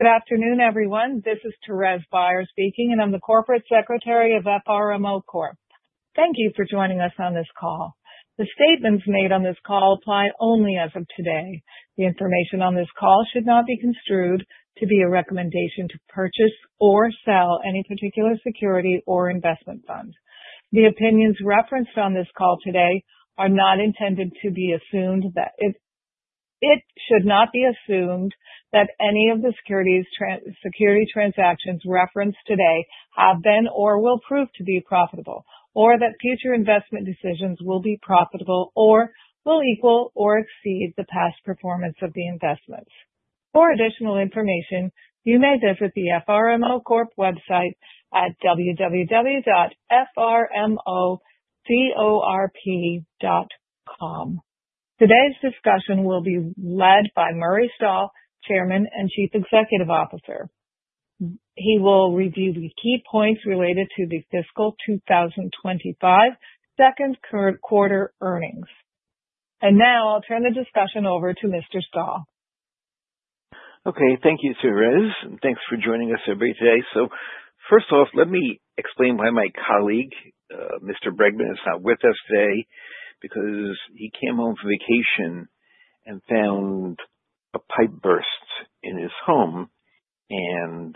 Good afternoon, everyone. This is Therese Byars speaking, and I'm the Corporate Secretary of FRMO Corp. Thank you for joining us on this call. The statements made on this call apply only as of today. The information on this call should not be construed to be a recommendation to purchase or sell any particular security or investment fund. The opinions referenced on this call today are not intended to be assumed that it should not be assumed that any of the security transactions referenced today have been or will prove to be profitable, or that future investment decisions will be profitable or will equal or exceed the past performance of the investments. For additional information, you may visit the FRMO Corp website at www.frmocorp.com. Today's discussion will be led by Murray Stahl, Chairman and Chief Executive Officer. He will review the key points related to the fiscal 2025 second quarter earnings, and now I'll turn the discussion over to Mr. Stahl. Okay, thank you, Thérèse. Thanks for joining us, everybody, today. So first off, let me explain why my colleague, Mr. Bregman, is not with us today, because he came home from vacation and found a pipe burst in his home and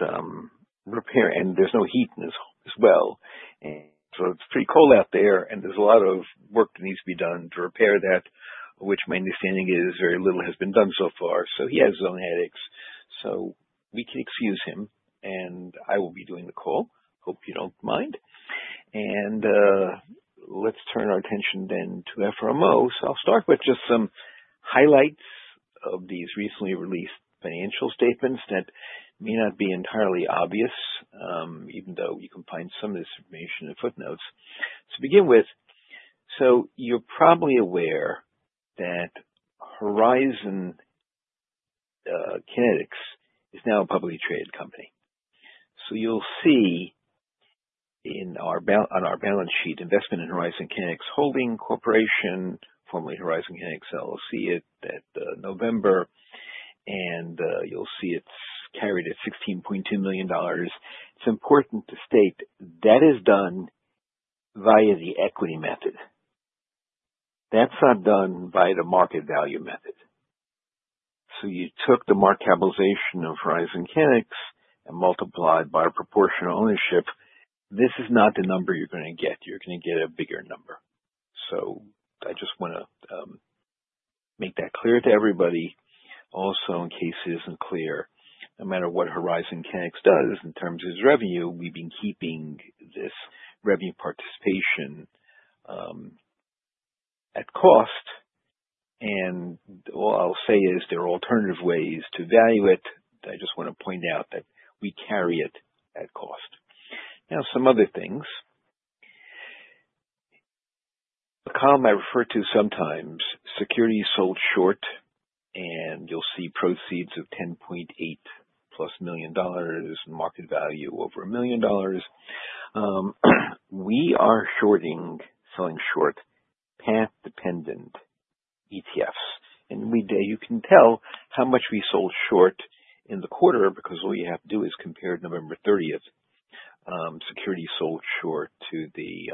repair, and there's no heat in his home as well. And so it's pretty cold out there, and there's a lot of work that needs to be done to repair that, which my understanding is very little has been done so far. So he has his own headaches. So we can excuse him, and I will be doing the call. Hope you don't mind. And let's turn our attention then to FRMO. So I'll start with just some highlights of these recently released financial statements that may not be entirely obvious, even though you can find some of this information in the footnotes. To begin with, so you're probably aware that Horizon Kinetics is now a publicly traded company. So you'll see on our balance sheet investment in Horizon Kinetics Holding Corporation, formerly Horizon Kinetics LLC, at November, and you'll see it's carried at $16.2 million. It's important to state that is done via the equity method. That's not done by the market value method. So you took the market capitalization of Horizon Kinetics and multiplied by proportional ownership. This is not the number you're going to get. You're going to get a bigger number. So I just want to make that clear to everybody. Also, in case it isn't clear, no matter what Horizon Kinetics does in terms of its revenue, we've been keeping this revenue participation at cost. And all I'll say is there are alternative ways to value it. I just want to point out that we carry it at cost. Now, some other things. A column I refer to sometimes, securities sold short, and you'll see proceeds of $10.8 million and market value over $1 million. We are shorting, selling short path-dependent ETFs. And you can tell how much we sold short in the quarter because all you have to do is compare November 30th securities sold short to the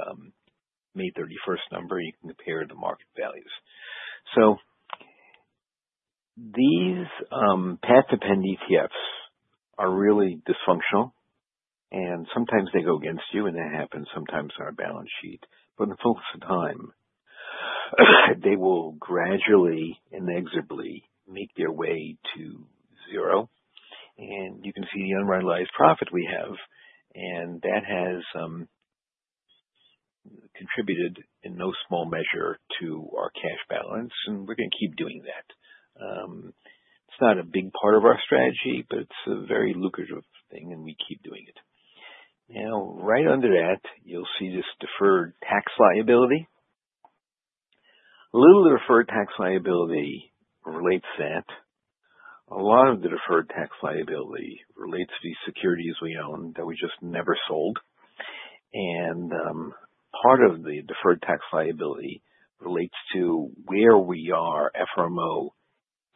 May 31st number, and you can compare the market values. So these path-dependent ETFs are really dysfunctional, and sometimes they go against you, and that happens sometimes on our balance sheet. But in the focus of time, they will gradually and inexorably make their way to zero. And you can see the unrealized profit we have, and that has contributed in no small measure to our cash balance, and we're going to keep doing that. It's not a big part of our strategy, but it's a very lucrative thing, and we keep doing it. Now, right under that, you'll see this deferred tax liability. A little of the deferred tax liability relates to that. A lot of the deferred tax liability relates to these securities we own that we just never sold. And part of the deferred tax liability relates to where we are, FRMO,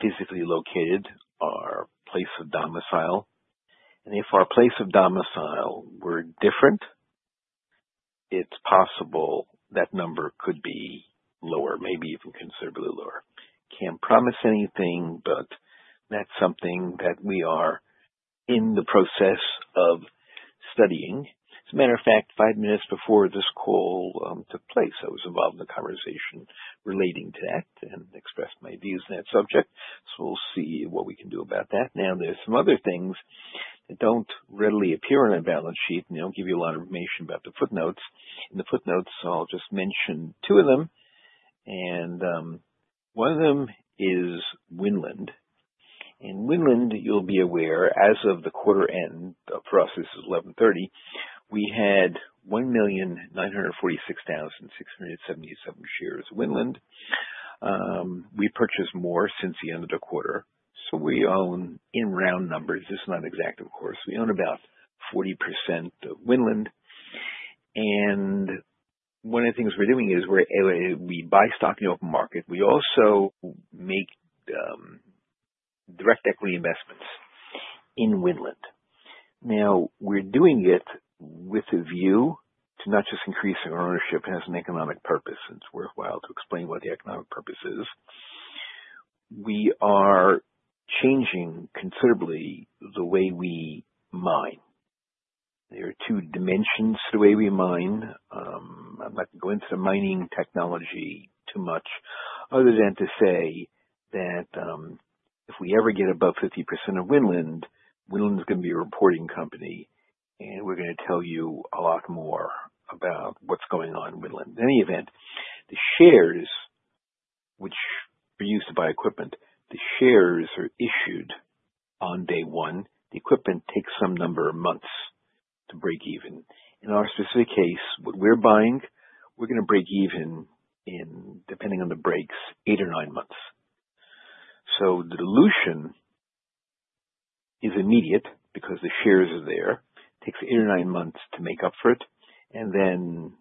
physically located, our place of domicile. And if our place of domicile were different, it's possible that number could be lower, maybe even considerably lower. Can't promise anything, but that's something that we are in the process of studying. As a matter of fact, five minutes before this call took place, I was involved in the conversation relating to that and expressed my views on that subject. So we'll see what we can do about that. Now, there's some other things that don't readily appear on a balance sheet, and they don't give you a lot of information about the footnotes. In the footnotes, I'll just mention two of them, and one of them is Winland, and Winland, you'll be aware, as of the quarter end, for us, this is 1130, we had 1,946,677 shares of Winland. We purchased more since the end of the quarter, so we own, in round numbers, this is not exact, of course, we own about 40% of Winland, and one of the things we're doing is we buy stock in the open market. We also make direct equity investments in Winland. Now, we're doing it with a view to not just increase our ownership, it has an economic purpose, and it's worthwhile to explain what the economic purpose is. We are changing considerably the way we mine. There are two dimensions to the way we mine. I'm not going to go into the mining technology too much other than to say that if we ever get above 50% of Winland, Winland is going to be a reporting company, and we're going to tell you a lot more about what's going on in Winland. In any event, the shares, which are used to buy equipment, the shares are issued on day one. The equipment takes some number of months to break even. In our specific case, what we're buying, we're going to break even in, depending on the breaks, eight or nine months. So the dilution is immediate because the shares are there. It takes eight or nine months to make up for it, and then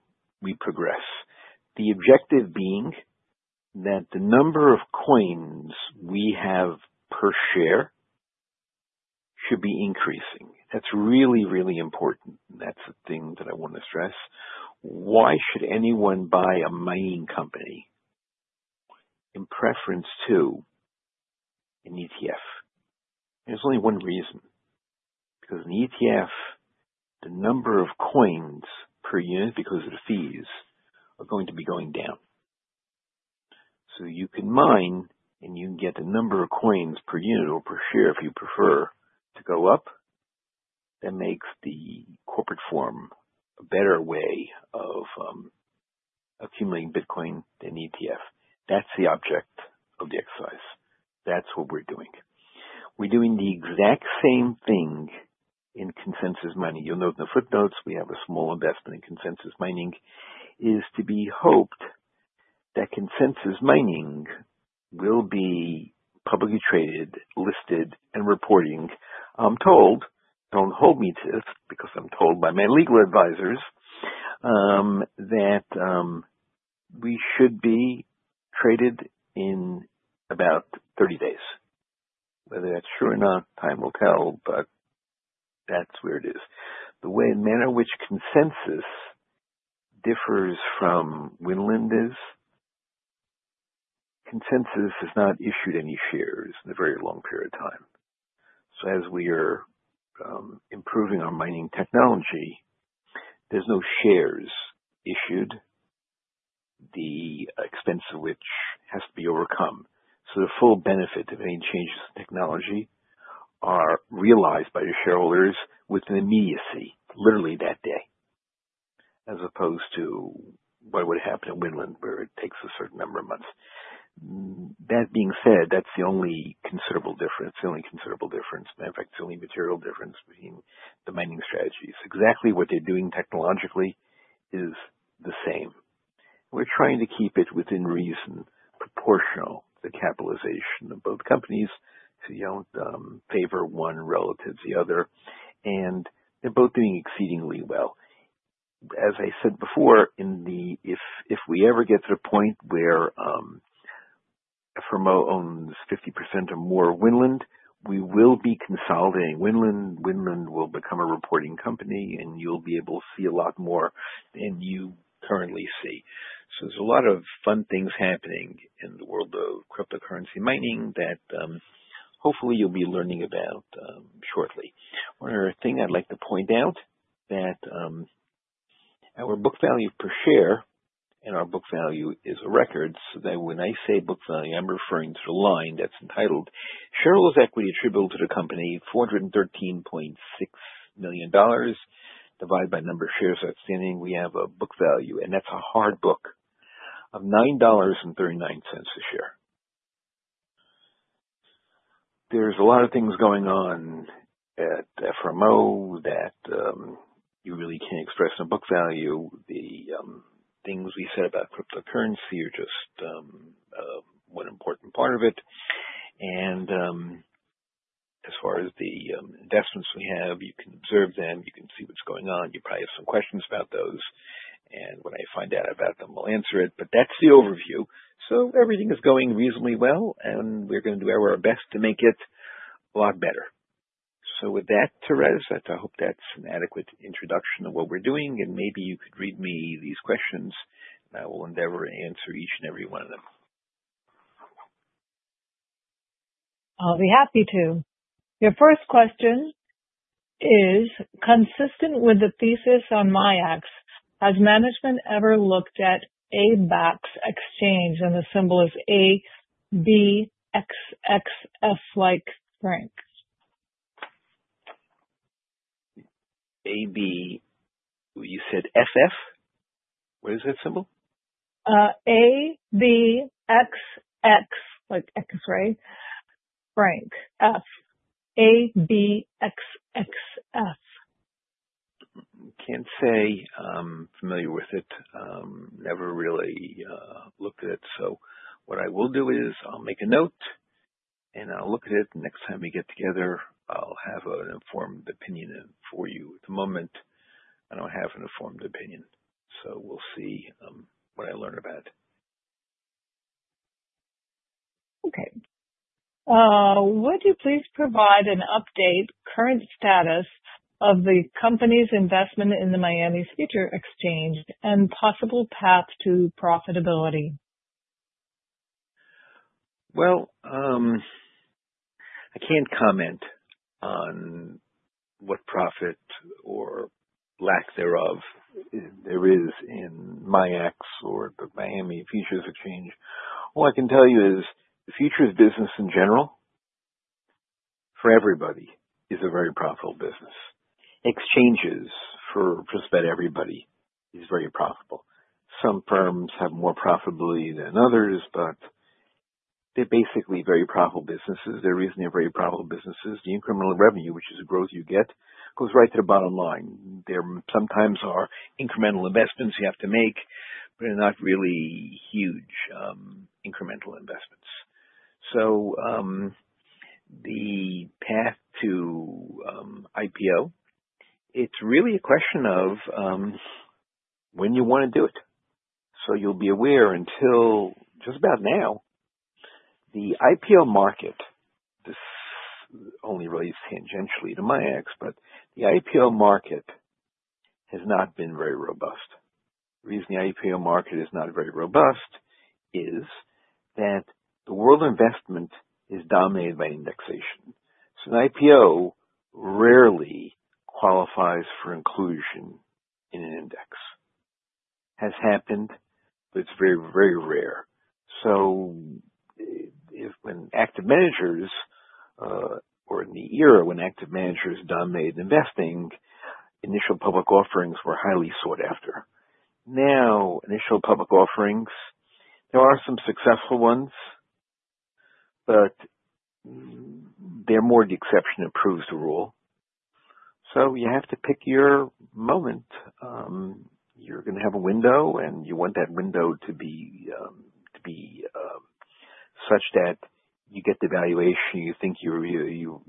we progress. The objective being that the number of coins we have per share should be increasing. That's really, really important. That's the thing that I want to stress. Why should anyone buy a mining company in preference to an ETF? There's only one reason. Because in the ETF, the number of coins per unit, because of the fees, are going to be going down. So you can mine, and you can get the number of coins per unit or per share, if you prefer, to go up. That makes the corporate form a better way of accumulating Bitcoin than ETF. That's the object of the exercise. That's what we're doing. We're doing the exact same thing in Consensys Mining. You'll note in the footnotes we have a small investment in Consensys Mining. It is to be hoped that Consensys Mining will be publicly traded, listed, and reporting. I'm told, don't hold me to this because I'm told by my legal advisors that we should be traded in about 30 days. Whether that's true or not, time will tell, but that's where it is. The way the manner in which Consensys differs from Winland is Consensys has not issued any shares in a very long period of time. So as we are improving our mining technology, there's no shares issued, the expense of which has to be overcome. So the full benefit of any changes in technology are realized by the shareholders with immediacy, literally that day, as opposed to what would happen in Winland where it takes a certain number of months. That being said, that's the only considerable difference. The only considerable difference, matter of fact, the only material difference between the mining strategies. Exactly what they're doing technologically is the same. We're trying to keep it within reason, proportional to the capitalization of both companies so you don't favor one relative to the other. They're both doing exceedingly well. As I said before, if we ever get to the point where FRMO owns 50% or more of Winland, we will be consolidating Winland. Winland will become a reporting company, and you'll be able to see a lot more than you currently see. There's a lot of fun things happening in the world of cryptocurrency mining that hopefully you'll be learning about shortly. One other thing I'd like to point out that our book value per share and our book value is a record. When I say book value, I'm referring to a line that's entitled, "Shareholders' equity attributable to the company, $413.6 million." Divided by number of shares outstanding, we have a book value, and that's a hard book of $9.39 a share. There's a lot of things going on at FRMO that you really can't express in a book value. The things we said about cryptocurrency are just one important part of it, and as far as the investments we have, you can observe them. You can see what's going on. You probably have some questions about those, and when I find out about them, I'll answer it, but that's the overview, so everything is going reasonably well, and we're going to do our best to make it a lot better, so with that, Thérèse, I hope that's an adequate introduction of what we're doing, and maybe you could read me these questions, and I will endeavor to answer each and every one of them. I'll be happy to. Your first question is consistent with the thesis on MIAX. Has management ever looked at Abaxx Exchange and the symbol is ABXXF like Frank? AB, you said FF? What is that symbol? ABXX, like X, right? Frank F, ABXXF. Can't say I'm familiar with it. Never really looked at it. So what I will do is I'll make a note, and I'll look at it. Next time we get together, I'll have an informed opinion for you. At the moment, I don't have an informed opinion. So we'll see what I learn about. Okay. Would you please provide an update current status of the company's investment in the Miami Futures Exchange and possible path to profitability? I can't comment on what profit or lack thereof there is in MIAX or the Miami Futures Exchange. All I can tell you is the futures business in general for everybody is a very profitable business. Exchanges for just about everybody is very profitable. Some firms have more profitability than others, but they're basically very profitable businesses. There isn't a very profitable business. The incremental revenue, which is the growth you get, goes right to the bottom line. There sometimes are incremental investments you have to make, but they're not really huge incremental investments. So the path to IPO, it's really a question of when you want to do it. So you'll be aware until just about now, the IPO market, this only relates tangentially to MIAX, but the IPO market has not been very robust. The reason the IPO market is not very robust is that the world of investment is dominated by indexation. So an IPO rarely qualifies for inclusion in an index. Has happened, but it's very, very rare. So when active managers or in the era when active managers dominated investing, initial public offerings were highly sought after. Now, initial public offerings, there are some successful ones, but they're more the exception that proves the rule. So you have to pick your moment. You're going to have a window, and you want that window to be such that you get the valuation you think you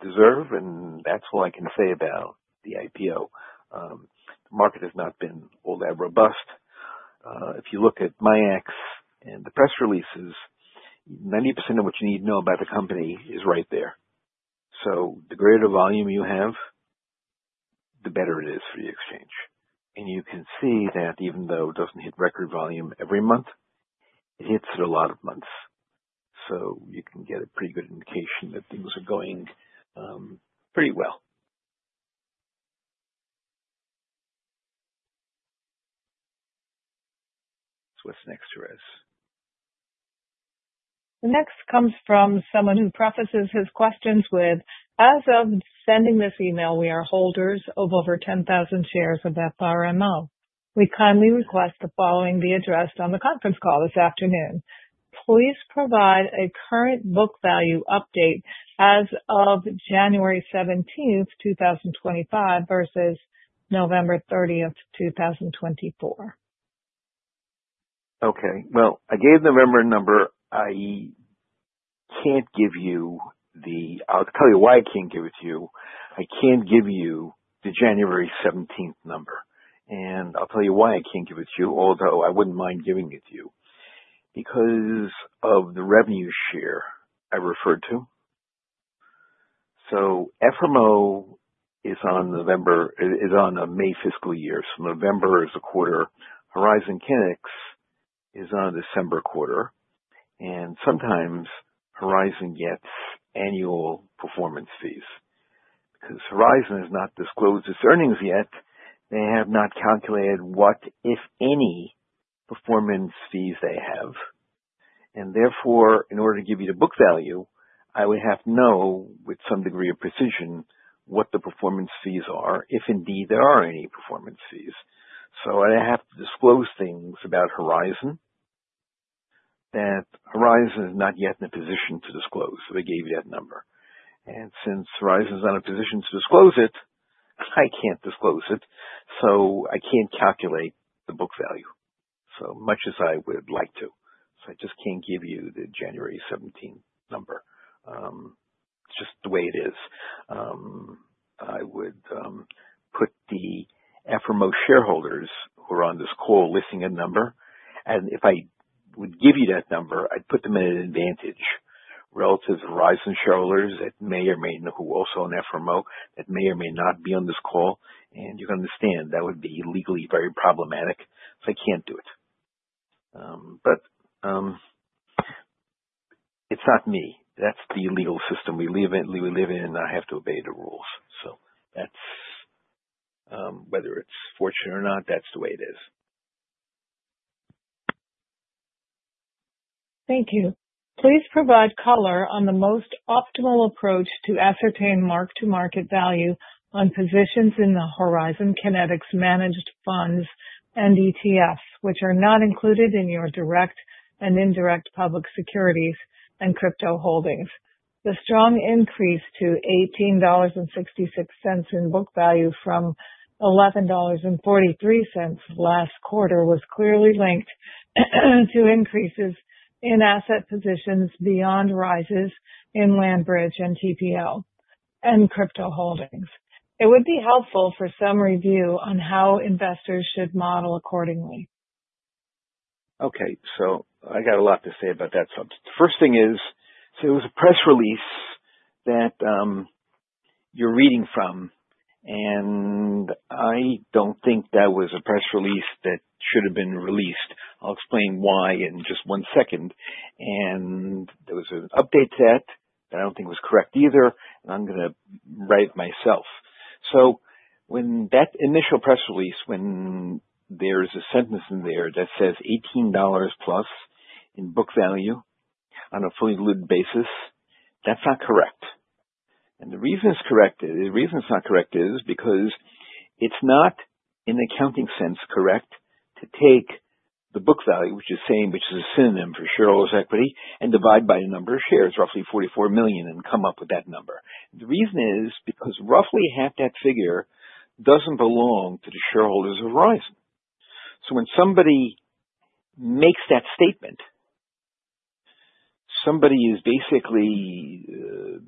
deserve. And that's all I can say about the IPO. The market has not been all that robust. If you look at MIAX and the press releases, 90% of what you need to know about the company is right there. So the greater volume you have, the better it is for the exchange. And you can see that even though it doesn't hit record volume every month, it hits it a lot of months. So you can get a pretty good indication that things are going pretty well. So what's next, Thérèse? The next comes from someone who prefaces his questions with, "As of sending this email, we are holders of over 10,000 shares of FRMO. We kindly request the following be addressed on the conference call this afternoon. Please provide a current book value update as of January 17th, 2025 versus November 30th, 2024. Okay. Well, I gave the member number. I can't give you the. I'll tell you why I can't give it to you. I can't give you the January 17th number. And I'll tell you why I can't give it to you, although I wouldn't mind giving it to you, because of the revenue share I referred to. So FRMO is on a May fiscal year. So November is a quarter. Horizon Kinetics is on a December quarter. And sometimes Horizon gets annual performance fees because Horizon has not disclosed its earnings yet. They have not calculated what, if any, performance fees they have. And therefore, in order to give you the book value, I would have to know with some degree of precision what the performance fees are, if indeed there are any performance fees. I'd have to disclose things about Horizon that Horizon is not yet in a position to disclose. I gave you that number. Since Horizon is not in a position to disclose it, I can't disclose it. I can't calculate the book value so much as I would like to. I just can't give you the January 17th number. It's just the way it is. I would put the FRMO shareholders who are on this call listing a number. If I would give you that number, I'd put them at an advantage relative to Horizon shareholders that may or may know who also own FRMO that may or may not be on this call. You can understand that would be legally very problematic. I can't do it. It's not me. That's the legal system we live in. We live in, and I have to obey the rules. So whether it's fortunate or not, that's the way it is. Thank you. Please provide color on the most optimal approach to ascertain mark-to-market value on positions in the Horizon Kinetics managed funds and ETFs, which are not included in your direct and indirect public securities and crypto holdings. The strong increase to $18.66 in book value from $11.43 last quarter was clearly linked to increases in asset positions beyond rises in LandBridge and TPL and crypto holdings. It would be helpful for some review on how investors should model accordingly. Okay. So I got a lot to say about that. The first thing is, so it was a press release that you're reading from. And I don't think that was a press release that should have been released. I'll explain why in just one second. And there was an update to that that I don't think was correct either. And I'm going to write it myself. So when that initial press release, when there's a sentence in there that says $18 plus in book value on a fully diluted basis, that's not correct. And the reason it's not correct is because it's not in accounting sense correct to take the book value, which is saying, which is a synonym for shareholders' equity, and divide by the number of shares, roughly 44 million, and come up with that number. The reason is because roughly half that figure doesn't belong to the shareholders of Horizon. So when somebody makes that statement, somebody is basically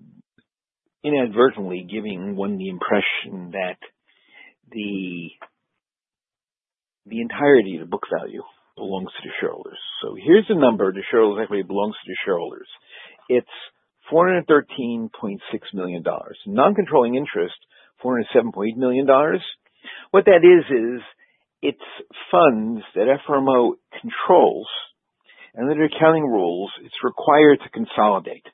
inadvertently giving one the impression that the entirety of the book value belongs to the shareholders. So here's the number. The shareholders' equity belongs to the shareholders. It's $413.6 million. Non-controlling interest, $407.8 million. What that is, is it's funds that FRMO controls, and under accounting rules, it's required to consolidate.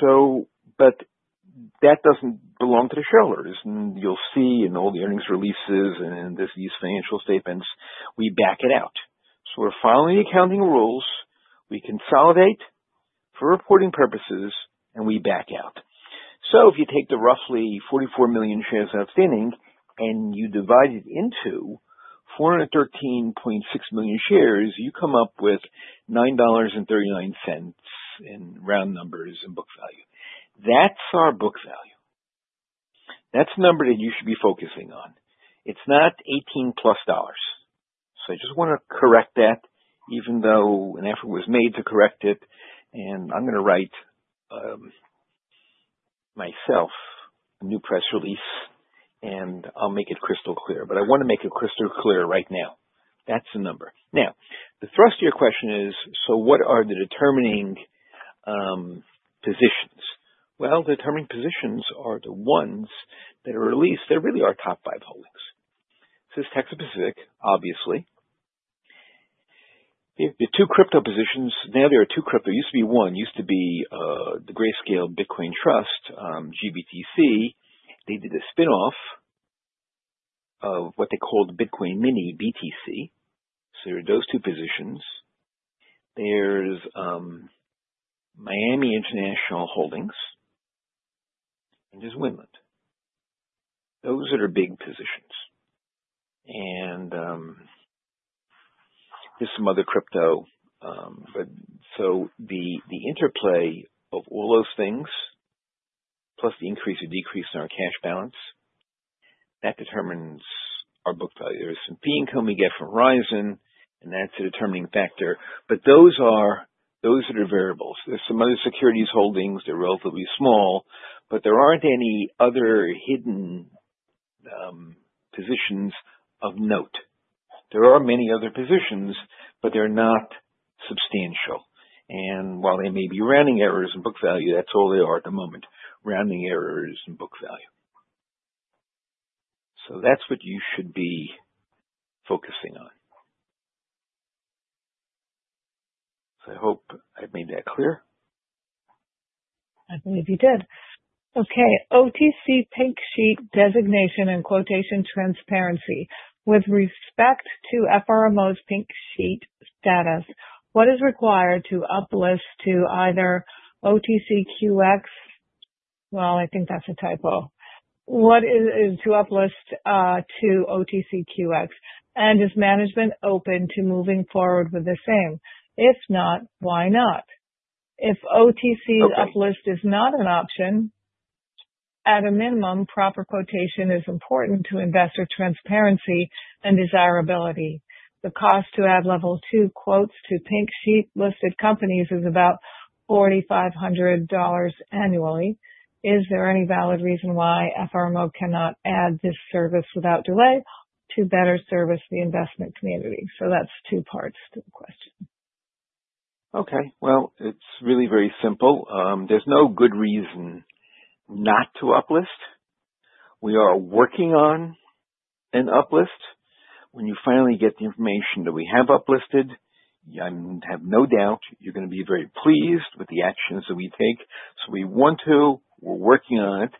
But that doesn't belong to the shareholders. And you'll see in all the earnings releases and these financial statements, we back it out. So we're following the accounting rules. We consolidate for reporting purposes, and we back it out. So if you take the roughly 44 million shares outstanding and you divide it into 413.6 million shares, you come up with $9.39 in round numbers and book value. That's our book value. That's the number that you should be focusing on. It's not $18+. So I just want to correct that, even though an effort was made to correct it. And I'm going to write myself a new press release, and I'll make it crystal clear. But I want to make it crystal clear right now. That's the number. Now, the thrust of your question is, so what are the determining positions? Well, the determining positions are the ones that are released. There really are top five holdings. This is Texas Pacific, obviously. The two crypto positions, now there are two crypto. It used to be one. It used to be the Grayscale Bitcoin Trust, GBTC. They did a spinoff of what they called Bitcoin Mini Trust, BTC. So there are those two positions. There's Miami International Holdings, and there's Winland. Those are the big positions. And there's some other crypto. So the interplay of all those things, plus the increase or decrease in our cash balance, that determines our book value. There's some fee income we get from Horizon, and that's a determining factor. But those are variables. There's some other securities holdings. They're relatively small, but there aren't any other hidden positions of note. There are many other positions, but they're not substantial. And while they may be rounding errors in book value, that's all they are at the moment, rounding errors in book value. So that's what you should be focusing on. So I hope I've made that clear. I believe you did. Okay. OTC Pink Sheet designation and quotation transparency. With respect to FRMO's Pink Sheet status, what is required to uplisting to either OTCQX? Well, I think that's a typo. What is to uplisting to OTCQX? And is management open to moving forward with the same? If not, why not? If OTC uplisting is not an option, at a minimum, proper quotation is important to investor transparency and desirability. The cost to add Level 2 quotes to Pink Sheet listed companies is about $4,500 annually. Is there any valid reason why FRMO cannot add this service without delay to better service the investment community? So that's two parts to the question. Okay. Well, it's really very simple. There's no good reason not to uplist. We are working on an uplist. When you finally get the information that we have uplisted, I have no doubt you're going to be very pleased with the actions that we take. So we want to. We're working on it.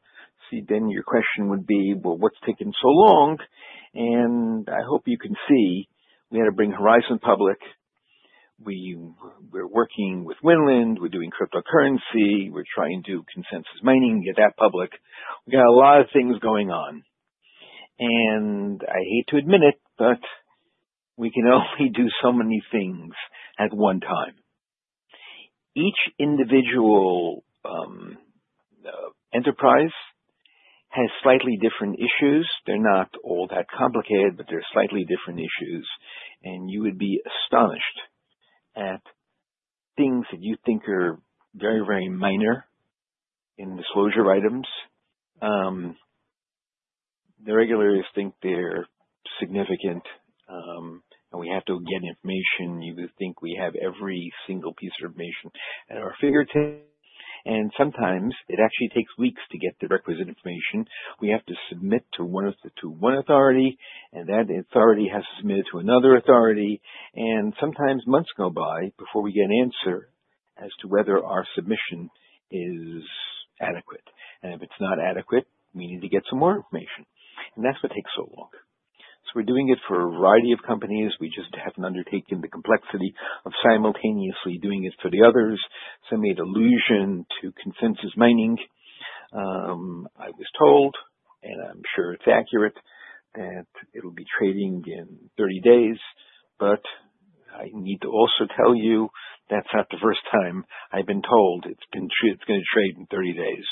See, then your question would be, well, what's taken so long? And I hope you can see we had to bring Horizon public. We're working with Winland. We're doing cryptocurrency. We're trying to do Consensus Mining and get that public. We got a lot of things going on. And I hate to admit it, but we can only do so many things at one time. Each individual enterprise has slightly different issues. They're not all that complicated, but they're slightly different issues. You would be astonished at things that you think are very, very minor in disclosure items. The regulators think they're significant, and we have to get information. You would think we have every single piece of information at our fingertips. And sometimes it actually takes weeks to get the requisite information. We have to submit to one authority, and that authority has to submit it to another authority. And sometimes months go by before we get an answer as to whether our submission is adequate. And if it's not adequate, we need to get some more information. And that's what takes so long. So we're doing it for a variety of companies. We just haven't undertaken the complexity of simultaneously doing it for the others. So I made allusion to Consensus Mining. I was told, and I'm sure it's accurate, that it'll be trading in 30 days. But I need to also tell you that's not the first time I've been told it's going to trade in 30 days.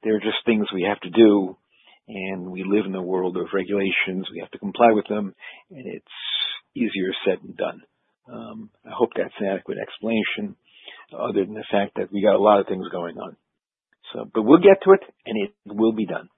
So let's say the flesh is willing, but there are just things we have to do. And we live in a world of regulations. We have to comply with them. And it's easier said than done. I hope that's an adequate explanation other than the fact that we got a lot of things going on. But we'll get to it, and it will be done.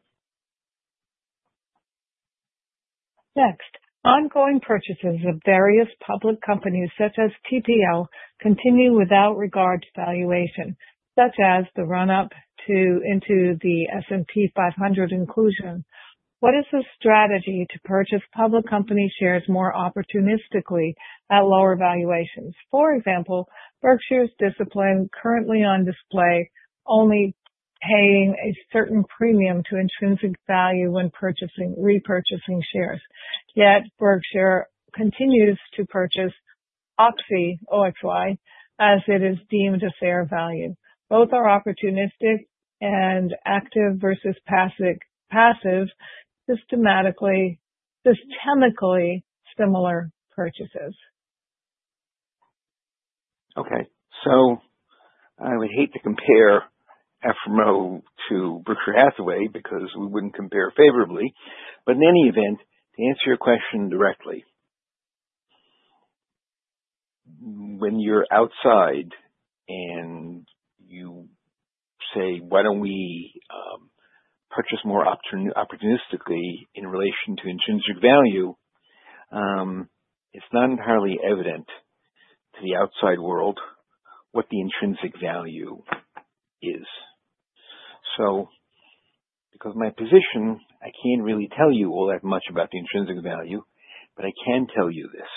Next, ongoing purchases of various public companies such as TPL continue without regard to valuation, such as the run-up into the S&P 500 inclusion. What is the strategy to purchase public company shares more opportunistically at lower valuations? For example, Berkshire's discipline currently on display only paying a certain premium to intrinsic value when repurchasing shares. Yet Berkshire continues to purchase Oxy OXY as it is deemed a fair value. Both are opportunistic and active versus passive systematically similar purchases. Okay. So I would hate to compare FRMO to Berkshire Hathaway because we wouldn't compare favorably. But in any event, to answer your question directly, when you're outside and you say, "Why don't we purchase more opportunistically in relation to intrinsic value?" It's not entirely evident to the outside world what the intrinsic value is. So because of my position, I can't really tell you all that much about the intrinsic value, but I can tell you this.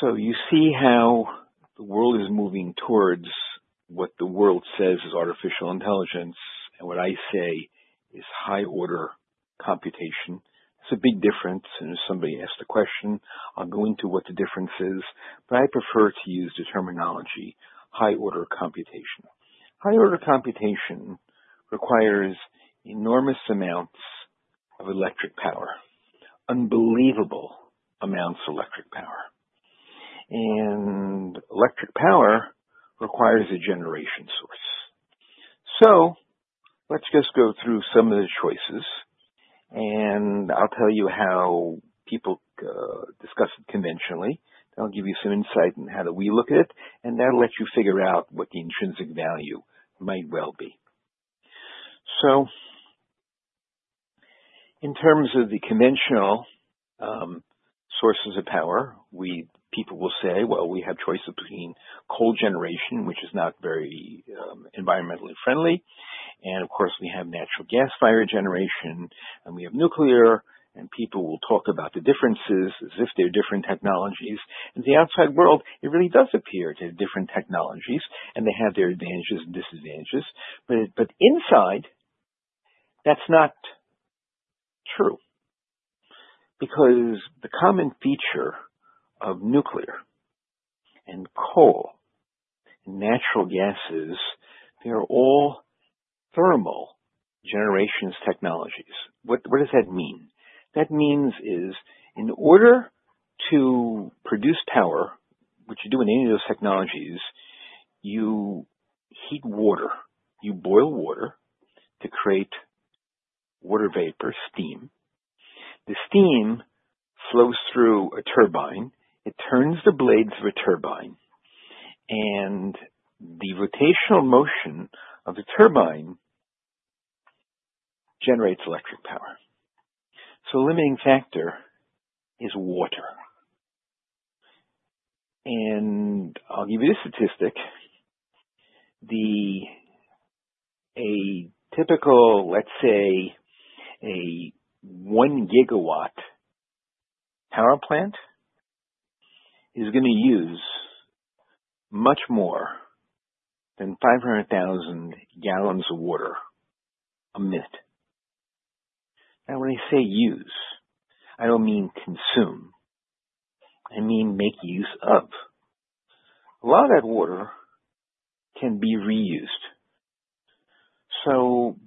So you see how the world is moving towards what the world says is artificial intelligence, and what I say is high-order computation. It's a big difference. And if somebody asks the question, I'll go into what the difference is. But I prefer to use the terminology high-order computation. High-order computation requires enormous amounts of electric power, unbelievable amounts of electric power. And electric power requires a generation source. So let's just go through some of the choices. And I'll tell you how people discuss it conventionally. I'll give you some insight into how we look at it, and that'll let you figure out what the intrinsic value might well be. So in terms of the conventional sources of power, people will say, "Well, we have choices between coal generation, which is not very environmentally friendly, and of course, we have natural gas-fired generation, and we have nuclear." And people will talk about the differences as if they're different technologies. And to the outside world, it really does appear to have different technologies. And they have their advantages and disadvantages. But inside, that's not true. Because the common feature of nuclear and coal and natural gas, they are all thermal generation technologies. What does that mean? That means, in order to produce power, which you do in any of those technologies, you heat water. You boil water to create water vapor, steam. The steam flows through a turbine. It turns the blades of a turbine. And the rotational motion of the turbine generates electric power. So the limiting factor is water. And I'll give you this statistic. A typical, let's say, a one-gigawatt power plant is going to use much more than 500,000 gallons of water a minute. Now, when I say use, I don't mean consume. I mean make use of. A lot of that water can be reused.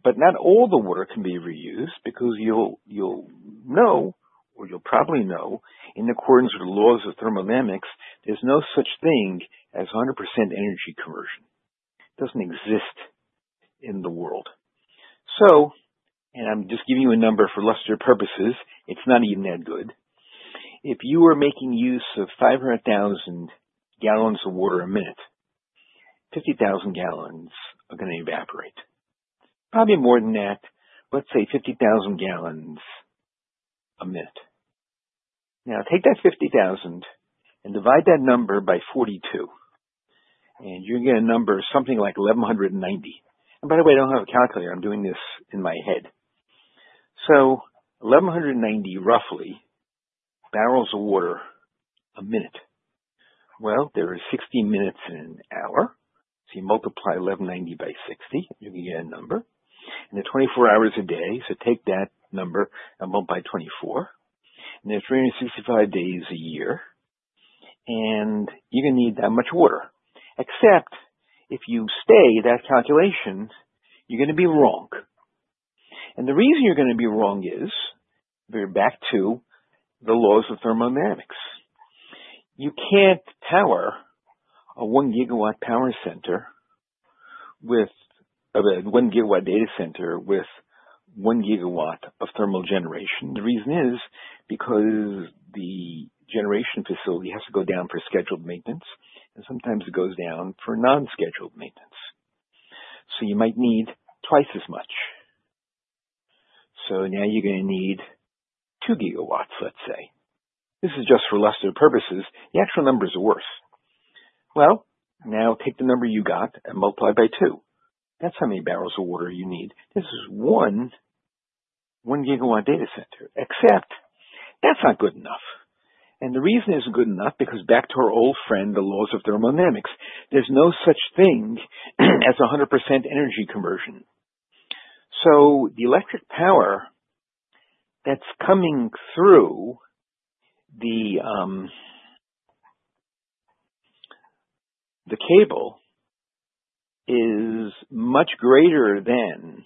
But not all the water can be reused because you'll know, or you'll probably know, in accordance with the laws of thermodynamics, there's no such thing as 100% energy conversion. It doesn't exist in the world. And I'm just giving you a number for illustrative purposes. It's not even that good. If you are making use of 500,000 gallons of water a minute, 50,000 gallons are going to evaporate. Probably more than that, let's say 50,000 gallons a minute. Now, take that 50,000 and divide that number by 42. And you're going to get a number of something like 1,190. And by the way, I don't have a calculator. I'm doing this in my head. So 1,190, roughly, barrels of water a minute. Well, there are 60 minutes in an hour. So you multiply 1,190 by 60. You're going to get a number. And there are 24 hours a day. So take that number and multiply 24. And there are 365 days a year. And you're going to need that much water. Except if you stay at that calculation, you're going to be wrong. And the reason you're going to be wrong is we're back to the laws of thermodynamics. You can't power a one-gigawatt power center with a one-gigawatt data center with one-gigawatt of thermal generation. The reason is because the generation facility has to go down for scheduled maintenance. And sometimes it goes down for unscheduled maintenance. So you might need twice as much. So now you're going to need two gigawatts, let's say. This is just for illustrative purposes. The actual numbers are worse. Well, now take the number you got and multiply by two. That's how many barrels of water you need. This is one one-gigawatt data center. Except that's not good enough. And the reason isn't good enough because back to our old friend, the laws of thermodynamics, there's no such thing as 100% energy conversion. So the electric power that's coming through the cable is much greater than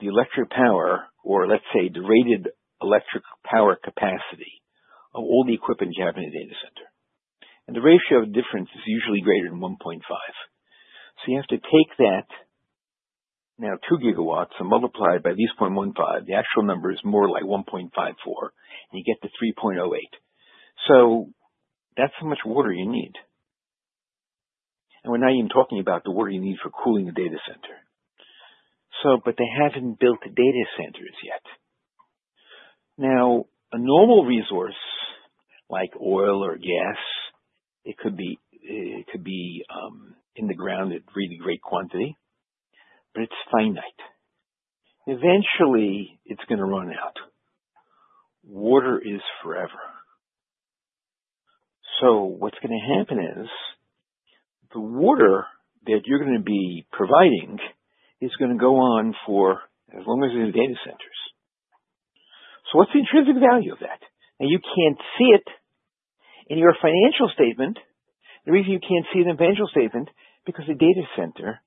the electric power or, let's say, the rated electric power capacity of all the equipment you have in a data center. And the ratio of difference is usually greater than 1.5. So you have to take that now, two gigawatts and multiply by these 0.15. The actual number is more like 1.54. And you get to 3.08. So that's how much water you need. And we're not even talking about the water you need for cooling the data center. But they haven't built data centers yet. Now, a normal resource like oil or gas, it could be in the ground at really great quantity, but it's finite. Eventually, it's going to run out. Water is forever. So what's going to happen is the water that you're going to be providing is going to go on for as long as there are data centers. So what's the intrinsic value of that? And you can't see it in your financial statement. The reason you can't see it in the financial statement is because the data center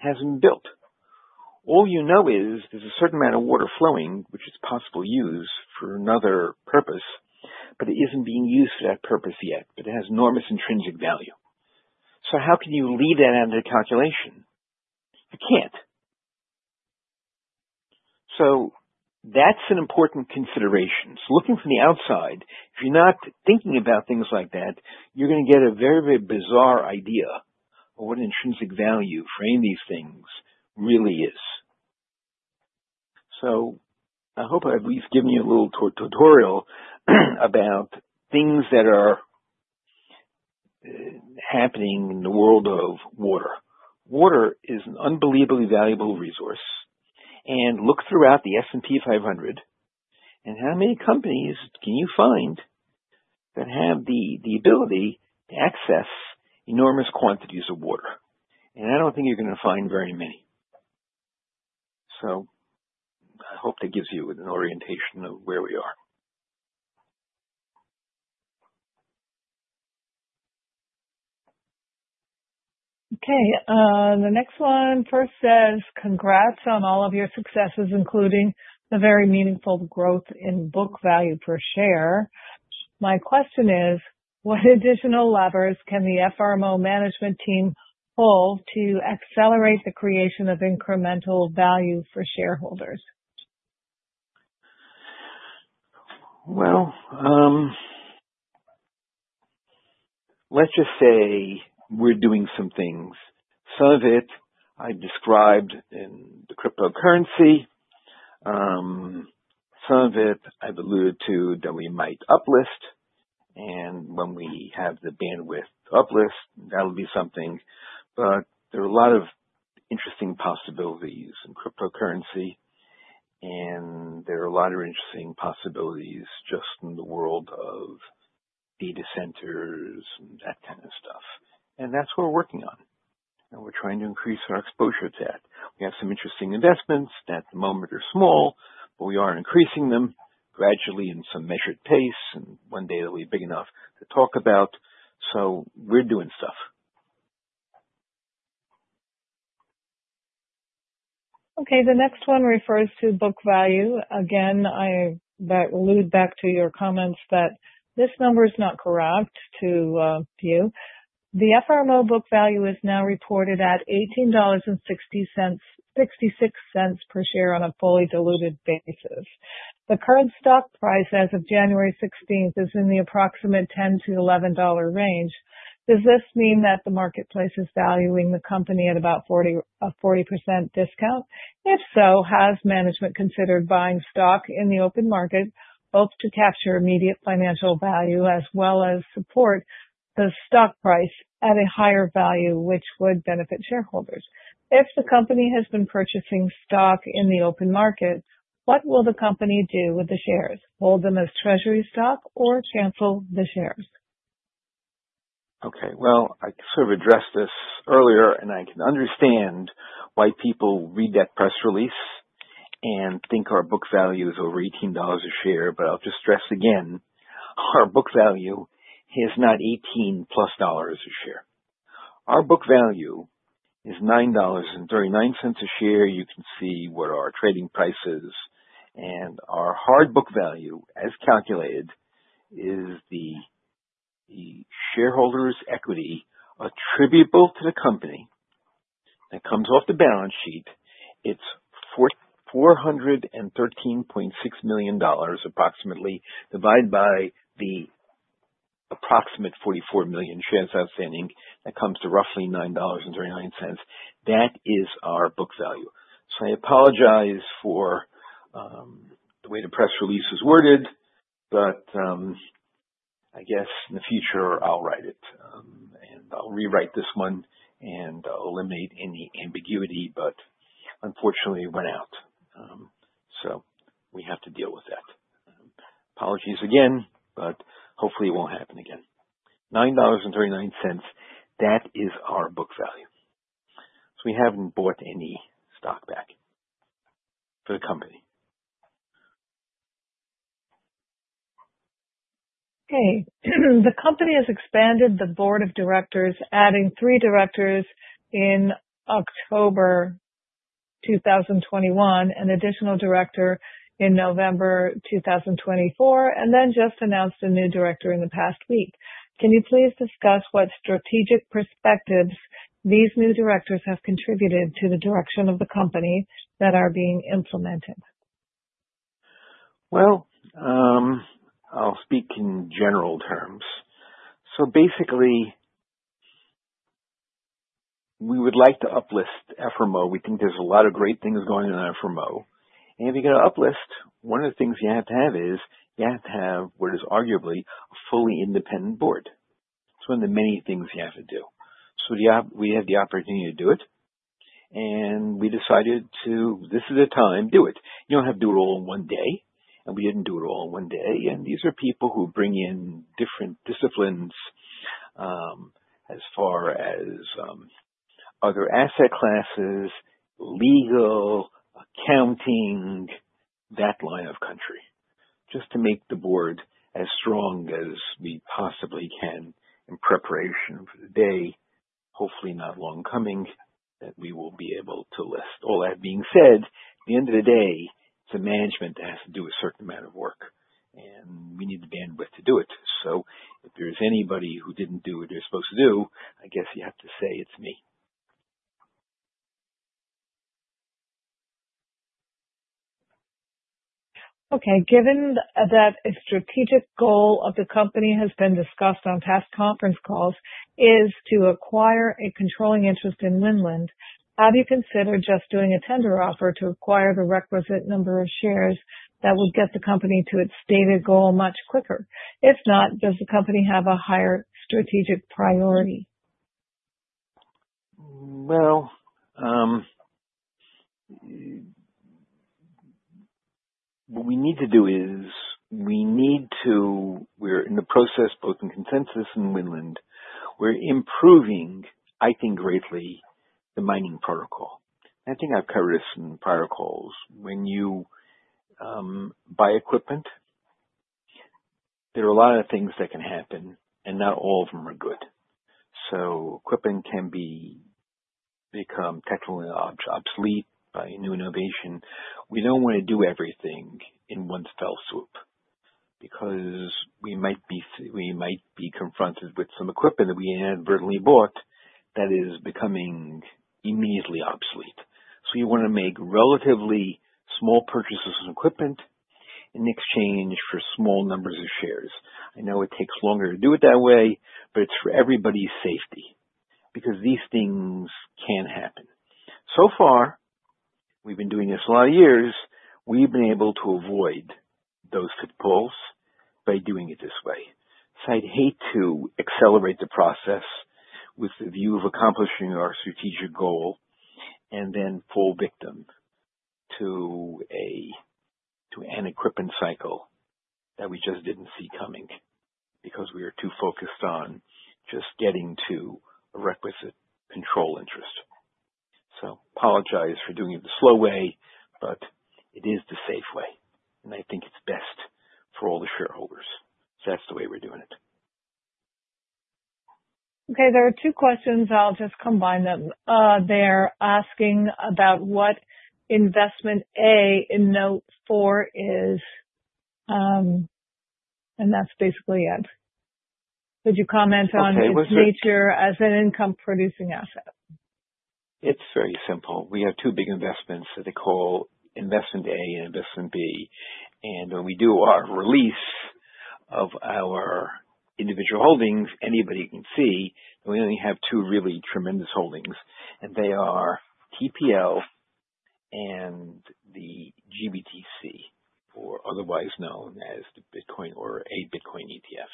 hasn't been built. All you know is there's a certain amount of water flowing, which is possible use for another purpose, but it isn't being used for that purpose yet. But it has enormous intrinsic value. So how can you leave that out of the calculation? You can't. So that's an important consideration. So looking from the outside, if you're not thinking about things like that, you're going to get a very, very bizarre idea of what an intrinsic value for any of these things really is. So I hope I've at least given you a little tutorial about things that are happening in the world of water. Water is an unbelievably valuable resource. And look throughout the S&P 500. And how many companies can you find that have the ability to access enormous quantities of water? And I don't think you're going to find very many. So I hope that gives you an orientation of where we are. Okay. The next one first says, "Congrats on all of your successes, including the very meaningful growth in book value per share." My question is, what additional levers can the FRMO management team pull to accelerate the creation of incremental value for shareholders? Well, let's just say we're doing some things. Some of it I described in the cryptocurrency. Some of it I've alluded to that we might uplist. And when we have the bandwidth uplist, that'll be something. But there are a lot of interesting possibilities in cryptocurrency. And there are a lot of interesting possibilities just in the world of data centers and that kind of stuff. And that's what we're working on. And we're trying to increase our exposure to that. We have some interesting investments that at the moment are small, but we are increasing them gradually in some measured pace. And one day it'll be big enough to talk about. So we're doing stuff. Okay. The next one refers to book value. Again, I alluded back to your comments that this number is not correct to you. The FRMO book value is now reported at $18.66 per share on a fully diluted basis. The current stock price as of January 16th is in the approximate $10-$11 range. Does this mean that the marketplace is valuing the company at about a 40% discount? If so, has management considered buying stock in the open market hope to capture immediate financial value as well as support the stock price at a higher value, which would benefit shareholders? If the company has been purchasing stock in the open market, what will the company do with the shares? Hold them as treasury stock or cancel the shares? Okay, well, I sort of addressed this earlier. I can understand why people read that press release and think our book value is over $18 a share, but I'll just stress again, our book value is not $18 plus dollars a share. Our book value is $9.39 a share. You can see what our trading price is. Our hard book value, as calculated, is the shareholders' equity attributable to the company that comes off the balance sheet. It's $413.6 million, approximately, divided by the approximate 44 million shares outstanding, that comes to roughly $9.39. That is our book value. I apologize for the way the press release is worded, but I guess in the future, I'll write it. I'll rewrite this one and I'll eliminate any ambiguity. Unfortunately, it went out, so we have to deal with that. Apologies again. But hopefully, it won't happen again. $9.39. That is our book value. So we haven't bought any stock back for the company. Okay. The company has expanded the board of directors, adding three directors in October 2021, an additional director in November 2024, and then just announced a new director in the past week. Can you please discuss what strategic perspectives these new directors have contributed to the direction of the company that are being implemented? I'll speak in general terms, so basically, we would like to uplist FRMO. We think there's a lot of great things going on in FRMO, and if you're going to uplist, one of the things you have to have is you have to have what is arguably a fully independent board. It's one of the many things you have to do, so we have the opportunity to do it, and we decided to, this is the time, do it. You don't have to do it all in one day, and we didn't do it all in one day, and these are people who bring in different disciplines as far as other asset classes, legal, accounting, that line of country, just to make the board as strong as we possibly can in preparation for the day, hopefully not long coming, that we will be able to list. All that being said, at the end of the day, it's a management that has to do a certain amount of work. And we need the bandwidth to do it. So if there's anybody who didn't do what they're supposed to do, I guess you have to say it's me. Okay. Given that a strategic goal of the company has been discussed on past conference calls is to acquire a controlling interest in Winland, how do you consider just doing a tender offer to acquire the requisite number of shares that would get the company to its stated goal much quicker? If not, does the company have a higher strategic priority? What we need to do is we need to. We're in the process, both in Consensus and Winland, we're improving, I think, greatly the mining protocol. I think I've covered this in prior calls. When you buy equipment, there are a lot of things that can happen, and not all of them are good, so equipment can become technically obsolete by new innovation. We don't want to do everything in one fell swoop because we might be confronted with some equipment that we inadvertently bought that is becoming immediately obsolete, so you want to make relatively small purchases of equipment in exchange for small numbers of shares. I know it takes longer to do it that way, but it's for everybody's safety because these things can happen. So far, we've been doing this a lot of years. We've been able to avoid those pitfalls by doing it this way. So I'd hate to accelerate the process with the view of accomplishing our strategic goal and then fall victim to an equipment cycle that we just didn't see coming because we are too focused on just getting to a requisite control interest. So apologize for doing it the slow way, but it is the safe way, and I think it's best for all the shareholders. So that's the way we're doing it. Okay. There are two questions. I'll just combine them. They're asking about what Investment A in note four is, and that's basically it. Could you comment on its nature as an income-producing asset? It's very simple. We have two big investments that they call Investment A and Investment B. And when we do our release of our individual holdings, anybody can see that we only have two really tremendous holdings. And they are TPL and the GBTC, or otherwise known as the Bitcoin or a Bitcoin ETF.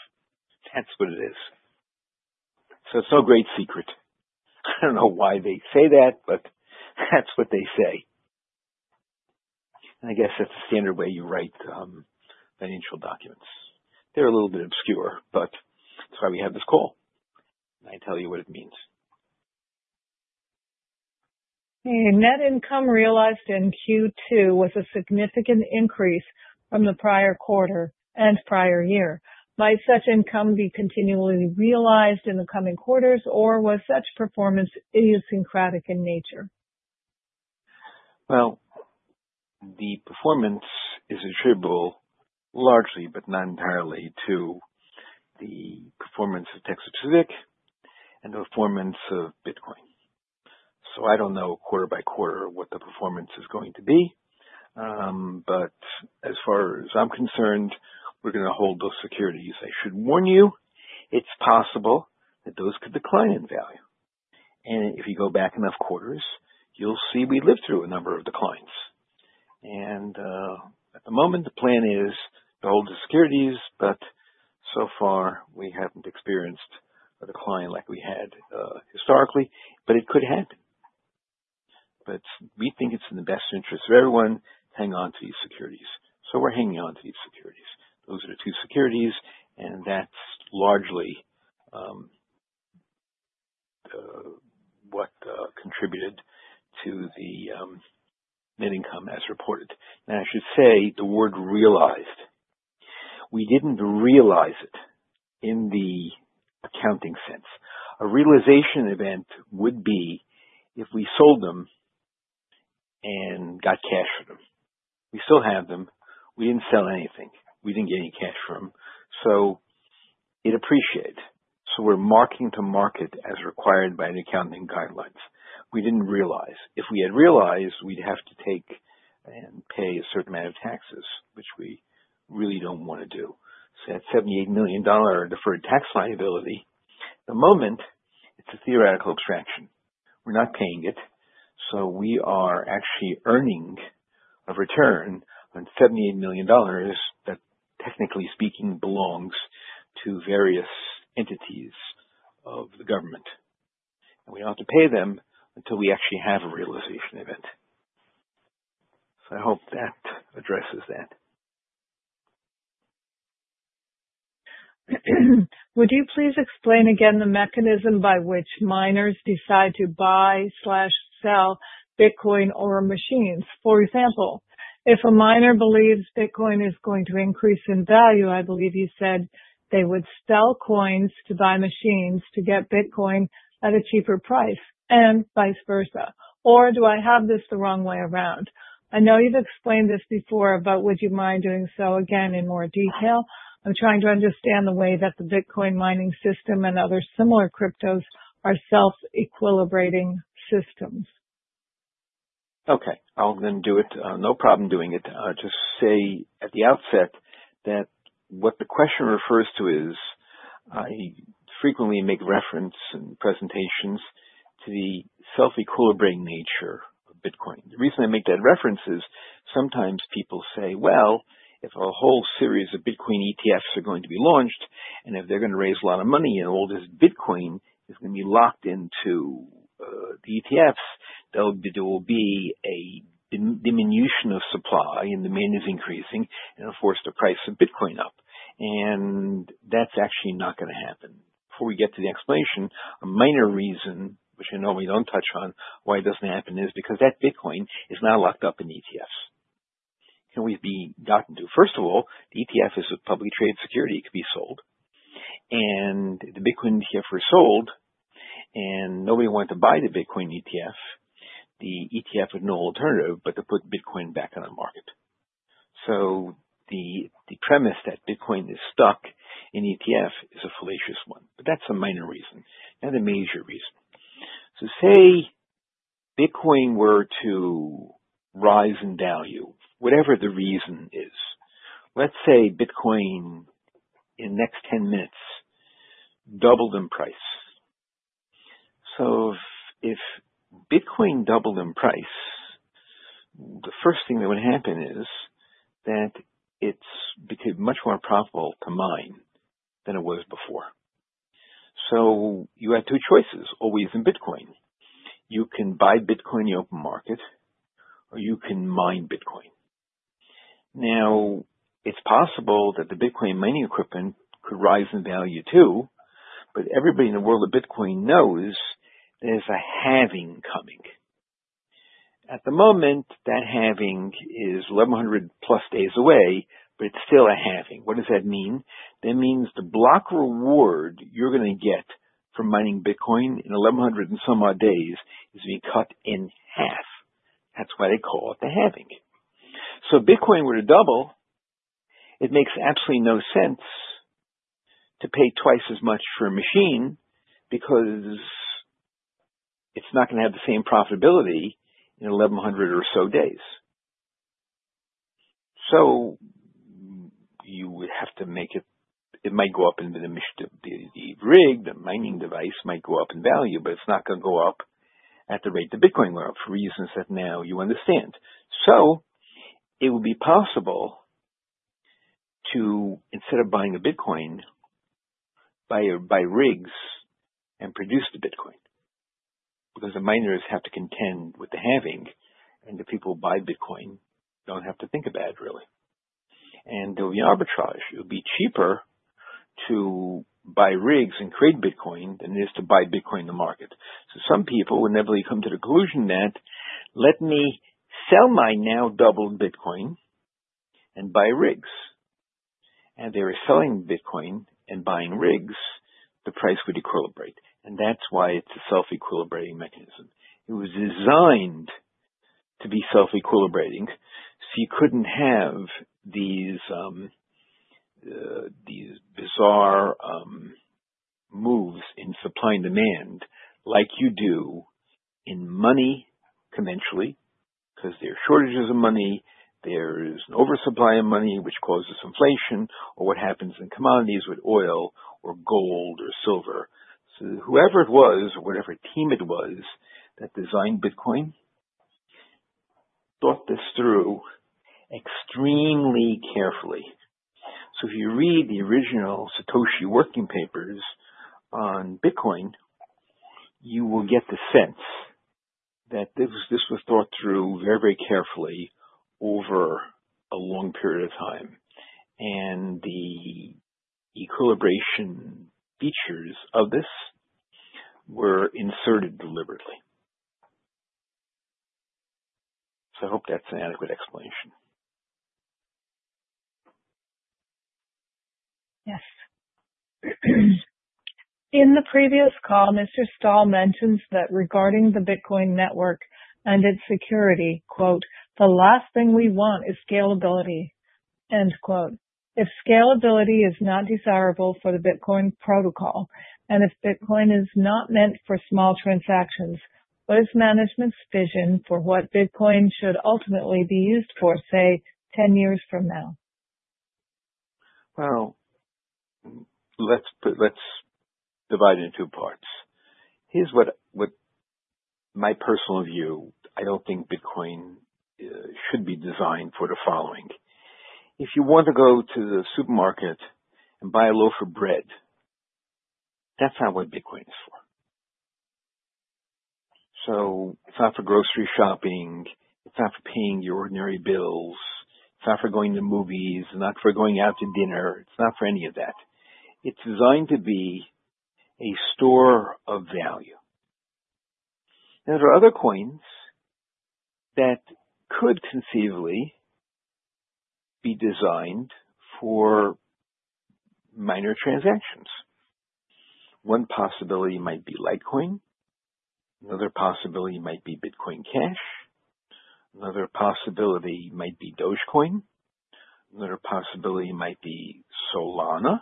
That's what it is. So it's no great secret. I don't know why they say that, but that's what they say. And I guess that's the standard way you write financial documents. They're a little bit obscure, but that's why we have this call. And I tell you what it means. Okay. Net income realized in Q2 was a significant increase from the prior quarter and prior year. Might such income be continually realized in the coming quarters, or was such performance idiosyncratic in nature? The performance is attributable largely, but not entirely, to the performance of Texas Pacific and the performance of Bitcoin. So I don't know quarter by quarter what the performance is going to be. But as far as I'm concerned, we're going to hold those securities. I should warn you, it's possible that those could decline in value. And if you go back enough quarters, you'll see we lived through a number of declines. And at the moment, the plan is to hold the securities, but so far, we haven't experienced a decline like we had historically. But it could happen. But we think it's in the best interest of everyone to hang on to these securities. So we're hanging on to these securities. Those are the two securities. And that's largely what contributed to the net income as reported. And I should say the word realized. We didn't realize it in the accounting sense. A realization event would be if we sold them and got cash from them. We still have them. We didn't sell anything. We didn't get any cash from them. So it appreciated. So we're marking to market as required by the accounting guidelines. We didn't realize. If we had realized, we'd have to take and pay a certain amount of taxes, which we really don't want to do. So that $78 million deferred tax liability, at the moment, it's a theoretical extraction. We're not paying it. So we are actually earning a return on $78 million that, technically speaking, belongs to various entities of the government. And we don't have to pay them until we actually have a realization event. So I hope that addresses that. Would you please explain again the mechanism by which miners decide to buy/sell Bitcoin or machines? For example, if a miner believes Bitcoin is going to increase in value, I believe you said they would sell coins to buy machines to get Bitcoin at a cheaper price and vice versa. Or do I have this the wrong way around? I know you've explained this before, but would you mind doing so again in more detail? I'm trying to understand the way that the Bitcoin mining system and other similar cryptos are self-equilibrating systems. Okay. I'll then do it. No problem doing it. Just say at the outset that what the question refers to is I frequently make reference in presentations to the self-equilibrating nature of Bitcoin. The reason I make that reference is sometimes people say, "Well, if a whole series of Bitcoin ETFs are going to be launched, and if they're going to raise a lot of money, and all this Bitcoin is going to be locked into the ETFs, there will be a diminution of supply, and demand is increasing, and of course, the price of Bitcoin up." And that's actually not going to happen. Before we get to the explanation, a minor reason, which I know we don't touch on, why it doesn't happen is because that Bitcoin is now locked up in ETFs. Can it be gotten to? First of all, the ETF is a publicly traded security. It could be sold. And the Bitcoin ETF was sold. And nobody wanted to buy the Bitcoin ETF. The ETF had no alternative but to put Bitcoin back on the market. So the premise that Bitcoin is stuck in ETF is a fallacious one. But that's a minor reason. Now, the major reason. So say Bitcoin were to rise in value, whatever the reason is. Let's say Bitcoin in the next 10 minutes doubled in price. So if Bitcoin doubled in price, the first thing that would happen is that it's become much more profitable to mine than it was before. So you had two choices, always in Bitcoin. You can buy Bitcoin in the open market, or you can mine Bitcoin. Now, it's possible that the Bitcoin mining equipment could rise in value too. But everybody in the world of Bitcoin knows there's a halving coming. At the moment, that halving is 1,100 plus days away, but it's still a halving. What does that mean? That means the block reward you're going to get from mining Bitcoin in 1,100 and some odd days is being cut in half. That's why they call it the halving. So if Bitcoin were to double, it makes absolutely no sense to pay twice as much for a machine because it's not going to have the same profitability in 1,100 or so days. So you would have to make it might go up in the midst of the rig. The mining device might go up in value, but it's not going to go up at the rate that Bitcoin went up for reasons that now you understand. So it would be possible to, instead of buying a Bitcoin, buy rigs and produce the Bitcoin because the miners have to contend with the halving. And the people who buy Bitcoin don't have to think about it, really. And there will be arbitrage. It will be cheaper to buy rigs and create Bitcoin than it is to buy Bitcoin in the market. So some people would inevitably come to the conclusion that, "Let me sell my now doubled Bitcoin and buy rigs." And they were selling Bitcoin and buying rigs. The price would equilibrate. And that's why it's a self-equilibrating mechanism. It was designed to be self-equilibrating. So you couldn't have these bizarre moves in supply and demand like you do in money conventionally because there are shortages of money. There is an oversupply of money, which causes inflation, or what happens in commodities with oil or gold or silver. Whoever it was, or whatever team it was that designed Bitcoin, thought this through extremely carefully. If you read the original Satoshi whitepaper on Bitcoin, you will get the sense that this was thought through very, very carefully over a long period of time. The equilibration features of this were inserted deliberately. I hope that's an adequate explanation. Yes. In the previous call, Mr. Stahl mentions that regarding the Bitcoin network and its security, "The last thing we want is scalability." If scalability is not desirable for the Bitcoin protocol, and if Bitcoin is not meant for small transactions, what is management's vision for what Bitcoin should ultimately be used for, say, 10 years from now? Let's divide it in two parts. Here's my personal view. I don't think Bitcoin should be designed for the following. If you want to go to the supermarket and buy a loaf of bread, that's not what Bitcoin is for. So it's not for grocery shopping. It's not for paying your ordinary bills. It's not for going to movies, not for going out to dinner. It's not for any of that. It's designed to be a store of value. And there are other coins that could conceivably be designed for minor transactions. One possibility might be Litecoin. Another possibility might be Bitcoin Cash. Another possibility might be Dogecoin. Another possibility might be Solana.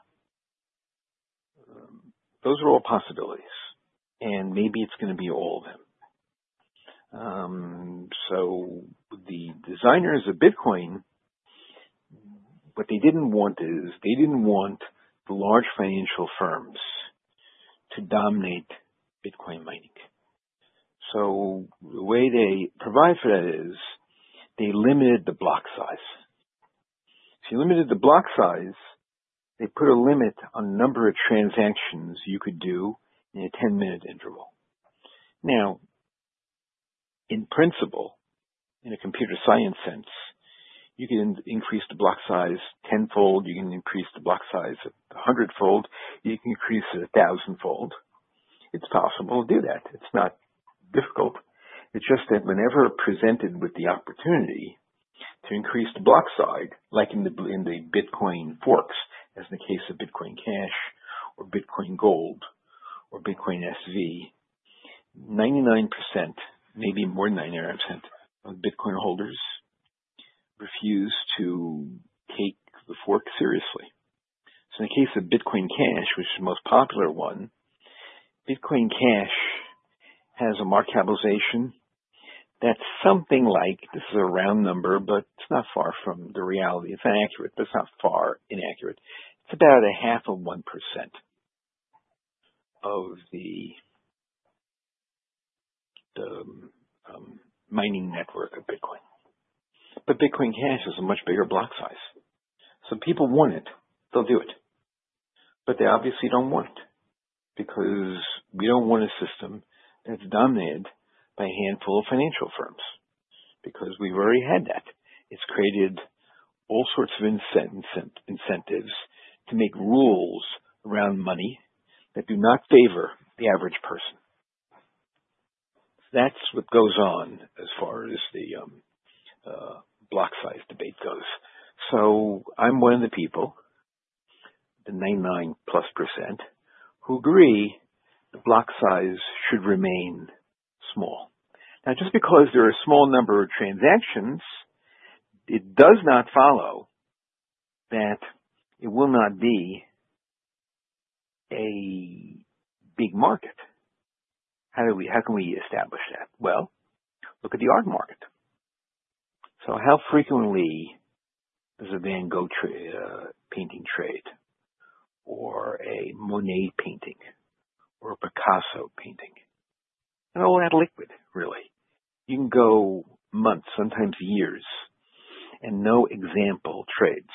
Those are all possibilities. And maybe it's going to be all of them. So the designers of Bitcoin, what they didn't want is they didn't want the large financial firms to dominate Bitcoin mining. The way they provide for that is they limited the block size. If you limited the block size, they put a limit on the number of transactions you could do in a 10-minute interval. Now, in principle, in a computer science sense, you can increase the block size tenfold. You can increase the block size a hundredfold. You can increase it a thousandfold. It's possible to do that. It's not difficult. It's just that whenever presented with the opportunity to increase the block size, like in the Bitcoin forks, as in the case of Bitcoin Cash or Bitcoin Gold or Bitcoin SV, 99%, maybe more than 99% of Bitcoin holders refuse to take the fork seriously. So in the case of Bitcoin Cash, which is the most popular one, Bitcoin Cash has a market capitalization that's something like this is a round number, but it's not far from the reality. It's inaccurate, but it's not far inaccurate. It's about 0.5% of the mining network of Bitcoin. But Bitcoin Cash is a much bigger block size. So people want it. They'll do it. But they obviously don't want it because we don't want a system that's dominated by a handful of financial firms because we've already had that. It's created all sorts of incentives to make rules around money that do not favor the average person. That's what goes on as far as the block size debate goes. So I'm one of the people, the 99+%, who agree the block size should remain small. Now, just because there are a small number of transactions, it does not follow that it will not be a big market. How can we establish that? Well, look at the art market. So how frequently does a Van Gogh painting trade or a Monet painting or a Picasso painting? And all that illiquid, really. You can go months, sometimes years, and no example trades.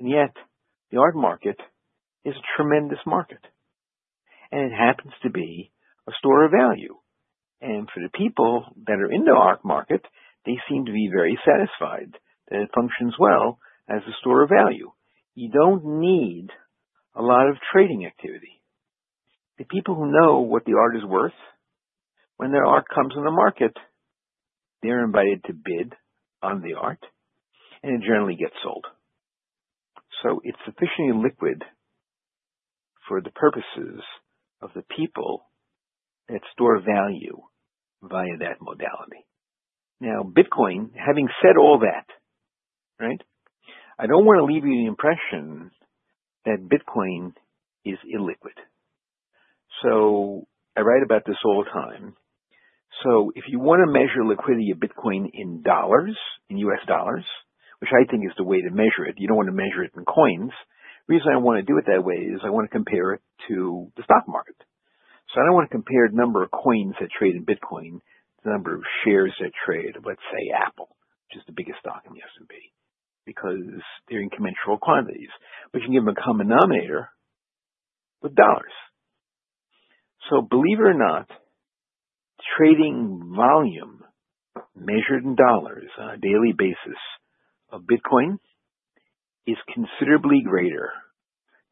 And yet, the art market is a tremendous market. And it happens to be a store of value. And for the people that are in the art market, they seem to be very satisfied that it functions well as a store of value. You don't need a lot of trading activity. The people who know what the art is worth, when their art comes in the market, they're invited to bid on the art, and it generally gets sold. So it's sufficiently liquid for the purposes of the people that store value via that modality. Now, Bitcoin, having said all that, right, I don't want to leave you the impression that Bitcoin is illiquid. So I write about this all the time. So if you want to measure liquidity of Bitcoin in dollars, in US dollars, which I think is the way to measure it, you don't want to measure it in coins. The reason I want to do it that way is I want to compare it to the stock market. So I don't want to compare the number of coins that trade in Bitcoin to the number of shares that trade in, let's say, Apple, which is the biggest stock in the S&P, because they're in conventional quantities. But you can give them a common denominator with dollars. Believe it or not, trading volume measured in dollars on a daily basis of Bitcoin is considerably greater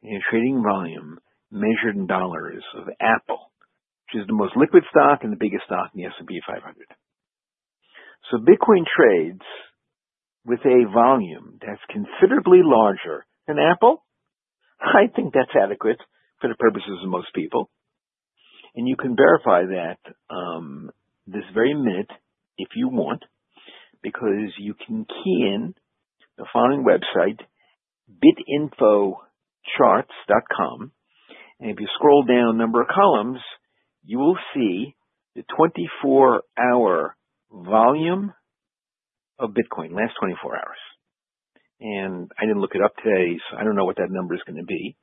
than trading volume measured in dollars of Apple, which is the most liquid stock and the biggest stock in the S&P 500. Bitcoin trades with a volume that's considerably larger than Apple. I think that's adequate for the purposes of most people. You can verify that this very minute if you want because you can key in the following website, bitinfocharts.com. If you scroll down a number of columns, you will see the 24-hour volume of Bitcoin, last 24 hours. I didn't look it up today, so I don't know what that number is going to be.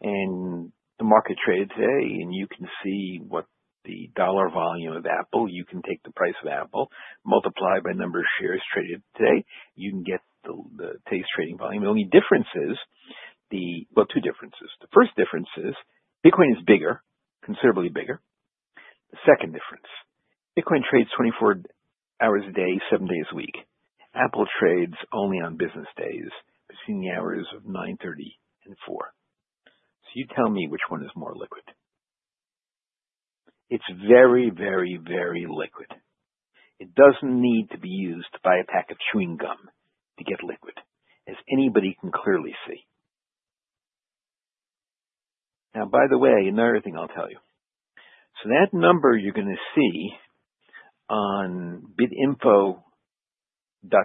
The market traded today, and you can see what the dollar volume of Apple. You can take the price of Apple, multiply by the number of shares traded today. You can get today's trading volume. The only difference is the, well, two differences. The first difference is Bitcoin is bigger, considerably bigger. The second difference, Bitcoin trades 24 hours a day, seven days a week. Apple trades only on business days between the hours of 9:30 A.M. and 4:00 P.M. So you tell me which one is more liquid. It's very, very, very liquid. It doesn't need to be used to buy a pack of chewing gum to get liquid, as anybody can clearly see. Now, by the way, another thing I'll tell you. So that number you're going to see on bitinfocharts.com,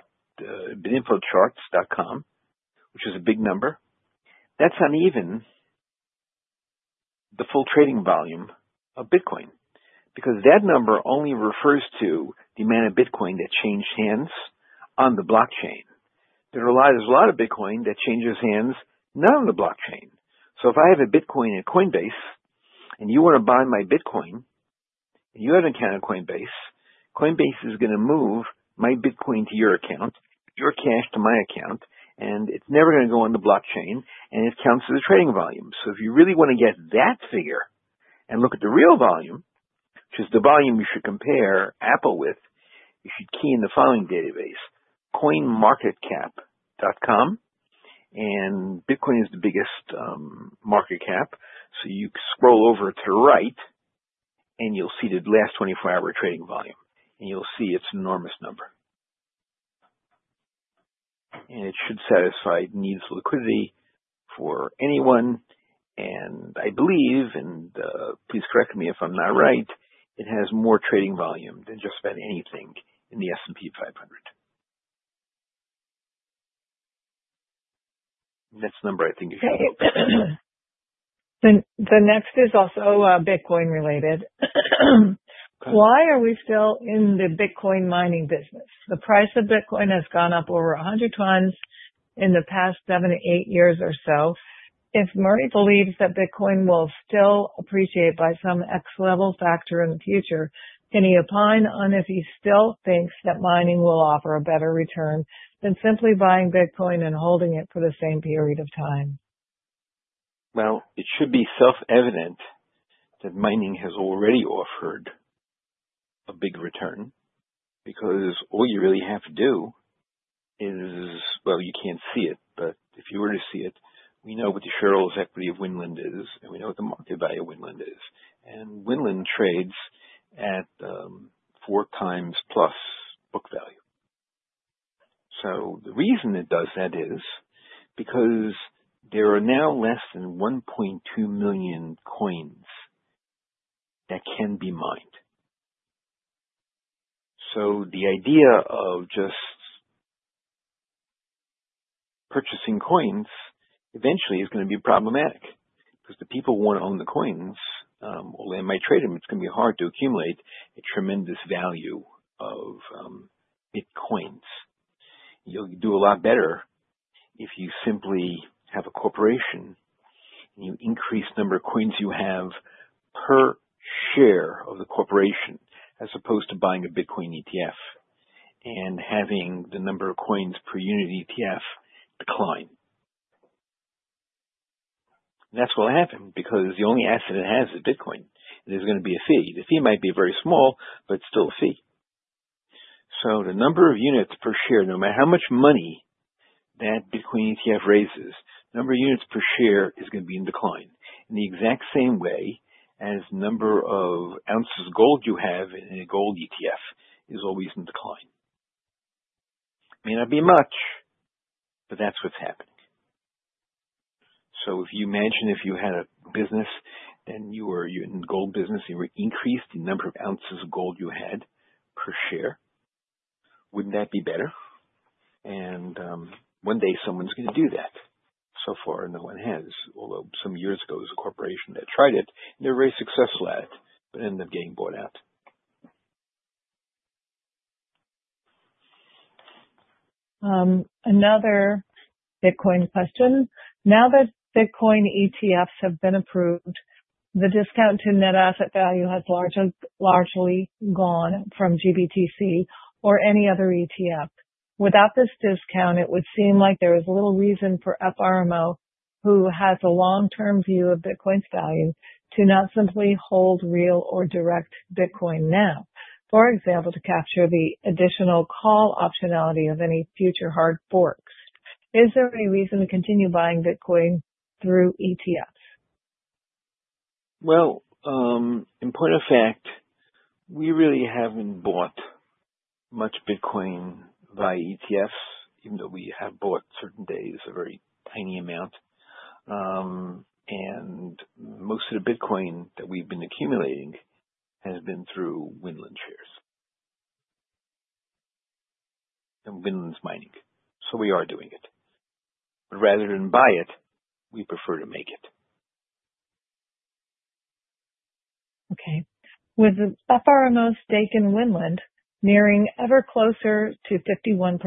which is a big number, that's not even the full trading volume of Bitcoin because that number only refers to the amount of Bitcoin that changed hands on the blockchain. There's a lot of Bitcoin that changes hands not on the blockchain. So if I have a Bitcoin at Coinbase and you want to buy my Bitcoin and you have an account at Coinbase, Coinbase is going to move my Bitcoin to your account, your cash to my account, and it's never going to go on the blockchain, and it counts as a trading volume. So if you really want to get that figure and look at the real volume, which is the volume you should compare Apple with, you should key in the following database, coinmarketcap.com. And Bitcoin is the biggest market cap. So you scroll over to the right, and you'll see the last 24-hour trading volume. And you'll see it's an enormous number. And it should satisfy needs liquidity for anyone. And I believe, and please correct me if I'm not right, it has more trading volume than just about anything in the S&P 500. That's the number I think you should go. The next is also Bitcoin-related. Why are we still in the Bitcoin mining business? The price of Bitcoin has gone up over 100 times in the past seven to eight years or so. If Murray believes that Bitcoin will still appreciate by some X-level factor in the future, can he opine on if he still thinks that mining will offer a better return than simply buying Bitcoin and holding it for the same period of time? It should be self-evident that mining has already offered a big return because all you really have to do is, well, you can't see it, but if you were to see it, we know what the shareholders' equity of Winland is, and we know what the market value of Winland is. And Winland trades at four times plus book value. So the reason it does that is because there are now less than 1.2 million coins that can be mined. So the idea of just purchasing coins eventually is going to be problematic because the people who want to own the coins will then might trade them. It's going to be hard to accumulate a tremendous value of Bitcoins. You'll do a lot better if you simply have a corporation and you increase the number of coins you have per share of the corporation as opposed to buying a Bitcoin ETF and having the number of coins per unit ETF decline, and that's what will happen because the only asset it has is Bitcoin. There's going to be a fee. The fee might be very small, but it's still a fee, so the number of units per share, no matter how much money that Bitcoin ETF raises, the number of units per share is going to be in decline. In the exact same way as the number of ounces of gold you have in a gold ETF is always in decline. May not be much, but that's what's happening. If you imagine you had a business and you were in the gold business and you increased the number of ounces of gold you had per share, wouldn't that be better? One day someone's going to do that. So far, no one has, although some years ago there was a corporation that tried it, and they were very successful at it, but ended up getting bought out. Another Bitcoin question. Now that Bitcoin ETFs have been approved, the discount to net asset value has largely gone from GBTC or any other ETF. Without this discount, it would seem like there is little reason for FRMO, who has a long-term view of Bitcoin's value, to not simply hold real or direct Bitcoin now, for example, to capture the additional call optionality of any future hard forks. Is there any reason to continue buying Bitcoin through ETFs? In point of fact, we really haven't bought much Bitcoin via ETFs, even though we have bought certain days a very tiny amount. Most of the Bitcoin that we've been accumulating has been through Winland shares and Winland's mining. We are doing it. Rather than buy it, we prefer to make it. Okay. With FRMO's stake in Winland nearing ever closer to 51%,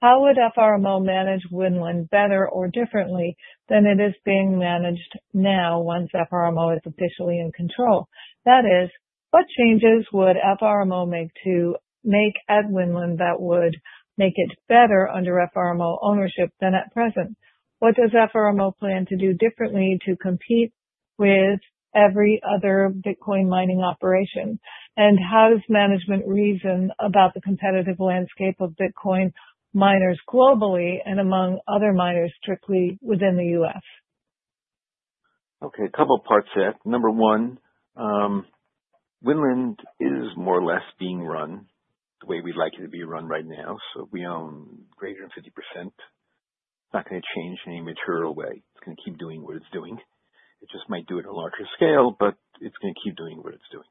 how would FRMO manage Winland better or differently than it is being managed now once FRMO is officially in control? That is, what changes would FRMO make at Winland that would make it better under FRMO ownership than at present? What does FRMO plan to do differently to compete with every other Bitcoin mining operation, and how does management reason about the competitive landscape of Bitcoin miners globally and among other miners strictly within the US? Okay. A couple of parts to that. Number one, Winland is more or less being run the way we'd like it to be run right now. So we own greater than 50%. It's not going to change in any material way. It's going to keep doing what it's doing. It just might do it at a larger scale, but it's going to keep doing what it's doing.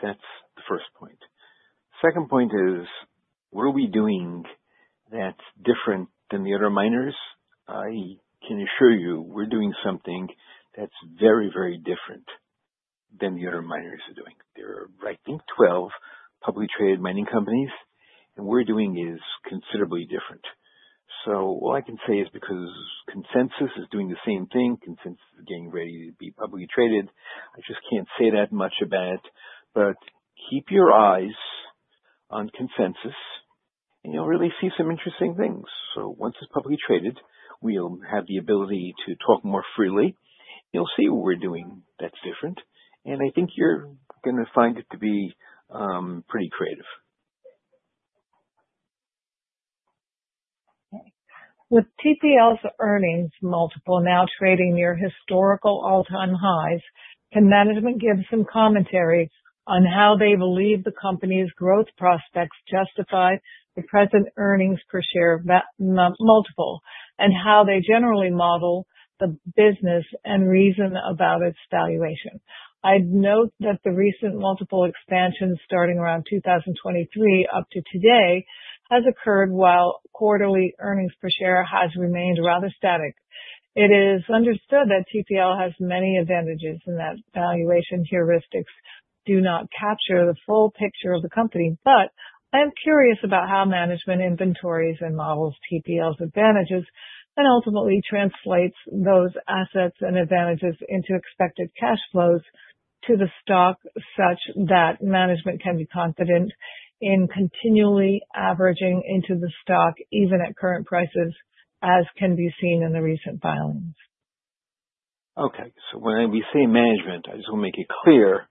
So that's the first point. Second point is, what are we doing that's different than the other miners? I can assure you we're doing something that's very, very different than the other miners are doing. There are, I think, 12 publicly traded mining companies, and what we're doing is considerably different. So all I can say is, because Consensus is doing the same thing. Consensus is getting ready to be publicly traded. I just can't say that much about it. But keep your eyes on Consensus, and you'll really see some interesting things. So once it's publicly traded, we'll have the ability to talk more freely. You'll see what we're doing that's different. And I think you're going to find it to be pretty creative. Okay. With TPL's earnings multiple now trading near historical all-time highs, can management give some commentary on how they believe the company's growth prospects justify the present earnings per share multiple and how they generally model the business and reason about its valuation? I'd note that the recent multiple expansion starting around 2023 up to today has occurred while quarterly earnings per share has remained rather static. It is understood that TPL has many advantages in that valuation heuristics do not capture the full picture of the company. But I'm curious about how management inventories and models TPL's advantages and ultimately translates those assets and advantages into expected cash flows to the stock such that management can be confident in continually averaging into the stock even at current prices, as can be seen in the recent filings. Okay. So when we say management, I just want to make it clear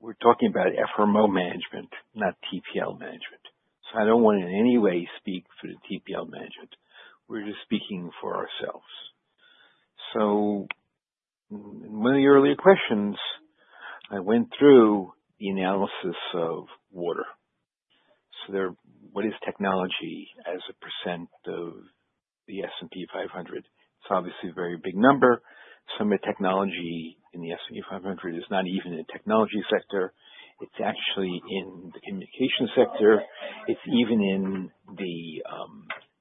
we're talking about FRMO management, not TPL management. So I don't want to in any way speak for the TPL management. We're just speaking for ourselves. So in one of the earlier questions, I went through the analysis of water. So what is technology as a % of the S&P 500? It's obviously a very big number. Some of the technology in the S&P 500 is not even in the technology sector. It's actually in the communication sector. It's even in the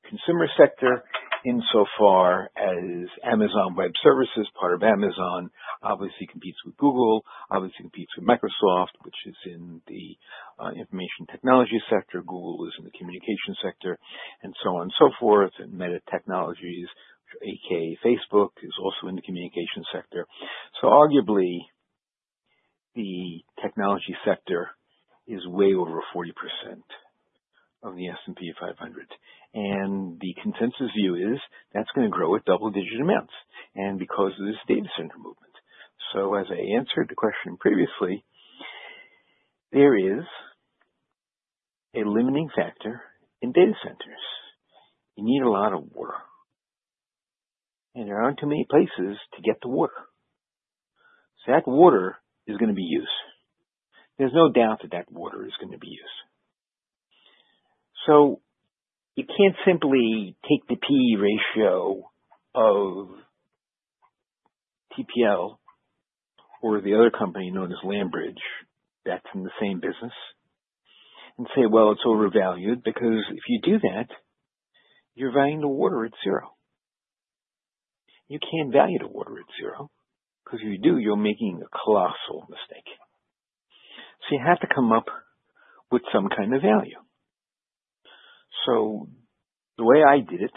consumer sector insofar as Amazon Web Services, part of Amazon, obviously competes with Google, obviously competes with Microsoft, which is in the information technology sector. Google is in the communication sector, and so on and so forth. And Meta Technologies, a.k.a. Facebook, is also in the communication sector. Arguably, the technology sector is way over 40% of the S&P 500. The consensus view is that's going to grow at double-digit amounts and because of this data center movement. As I answered the question previously, there is a limiting factor in data centers. You need a lot of water. There aren't too many places to get the water. That water is going to be used. There's no doubt that that water is going to be used. You can't simply take the P/E ratio of TPL or the other company known as LandBridge, that's in the same business, and say, "Well, it's overvalued," because if you do that, you're valuing the water at zero. You can't value the water at zero because if you do, you're making a colossal mistake. You have to come up with some kind of value. So the way I did it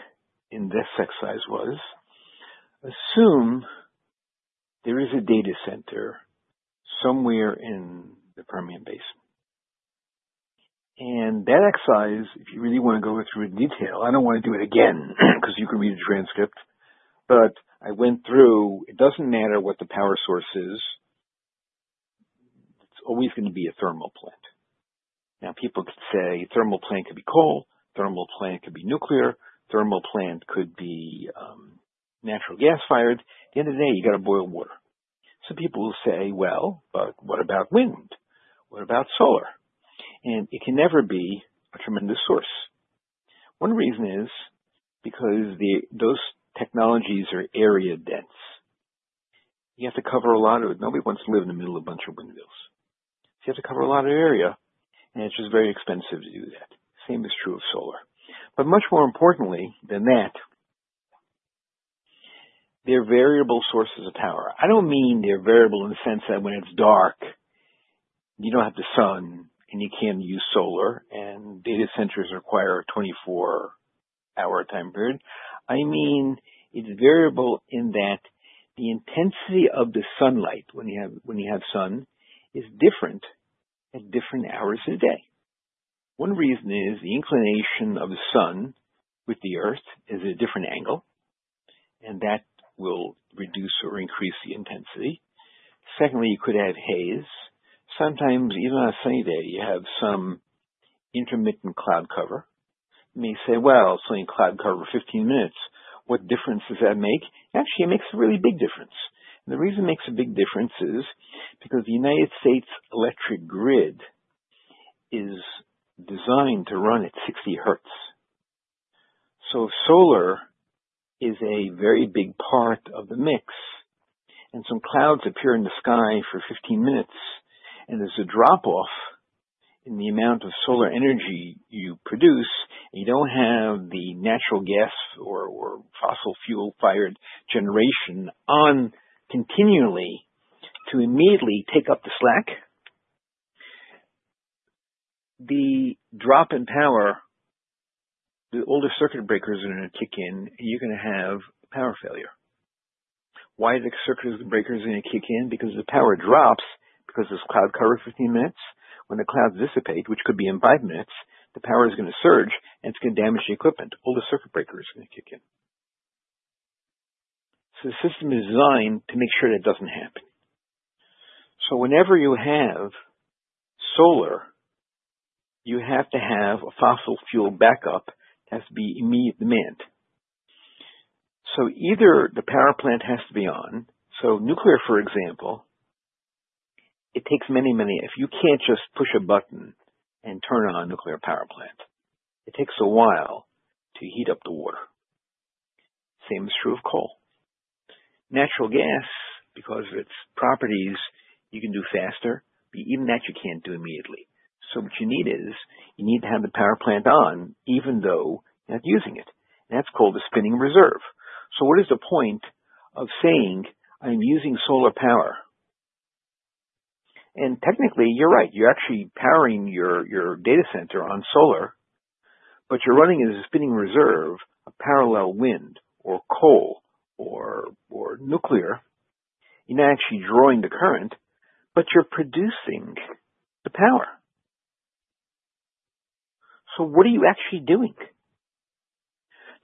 in this exercise was assume there is a data center somewhere in the Permian Basin. And that exercise, if you really want to go through in detail, I don't want to do it again because you can read the transcript. But I went through, it doesn't matter what the power source is. It's always going to be a thermal plant. Now, people could say a thermal plant could be coal. Thermal plant could be nuclear. Thermal plant could be natural gas fired. At the end of the day, you got to boil water. So people will say, "Well, but what about wind? What about solar?" And it can never be a tremendous source. One reason is because those technologies are area-dense. You have to cover a lot of nobody wants to live in the middle of a bunch of windmills. You have to cover a lot of area, and it's just very expensive to do that. Same is true of solar. But much more importantly than that, they're variable sources of power. I don't mean they're variable in the sense that when it's dark, you don't have the sun and you can't use solar and data centers require a 24-hour time period. I mean it's variable in that the intensity of the sunlight when you have sun is different at different hours of the day. One reason is the inclination of the sun with the earth is a different angle, and that will reduce or increase the intensity. Secondly, you could have haze. Sometimes, even on a sunny day, you have some intermittent cloud cover. You may say, "Well, it's only cloud cover for 15 minutes. What difference does that make?" Actually, it makes a really big difference. The reason it makes a big difference is because the United States electric grid is designed to run at 60 hertz. Solar is a very big part of the mix. Some clouds appear in the sky for 15 minutes, and there's a drop-off in the amount of solar energy you produce. You don't have the natural gas or fossil fuel-fired generation on continually to immediately take up the slack. The drop in power. The older circuit breakers are going to kick in, and you're going to have power failure. Why are the circuit breakers going to kick in? Because the power drops because there's cloud cover for 15 minutes. When the clouds dissipate, which could be in five minutes, the power is going to surge, and it's going to damage the equipment. Older circuit breakers are going to kick in. So the system is designed to make sure that doesn't happen. So whenever you have solar, you have to have a fossil fuel backup. It has to be immediate demand. So either the power plant has to be on. So nuclear, for example, it takes many, many - if you can't just push a button and turn on a nuclear power plant, it takes a while to heat up the water. Same is true of coal. Natural gas, because of its properties, you can do faster, but even that you can't do immediately. So what you need is you need to have the power plant on even though you're not using it. That's called a spinning reserve. So what is the point of saying, "I'm using solar power"? And technically, you're right. You're actually powering your data center on solar, but you're running as a spinning reserve of parallel wind or coal or nuclear. You're not actually drawing the current, but you're producing the power. So what are you actually doing?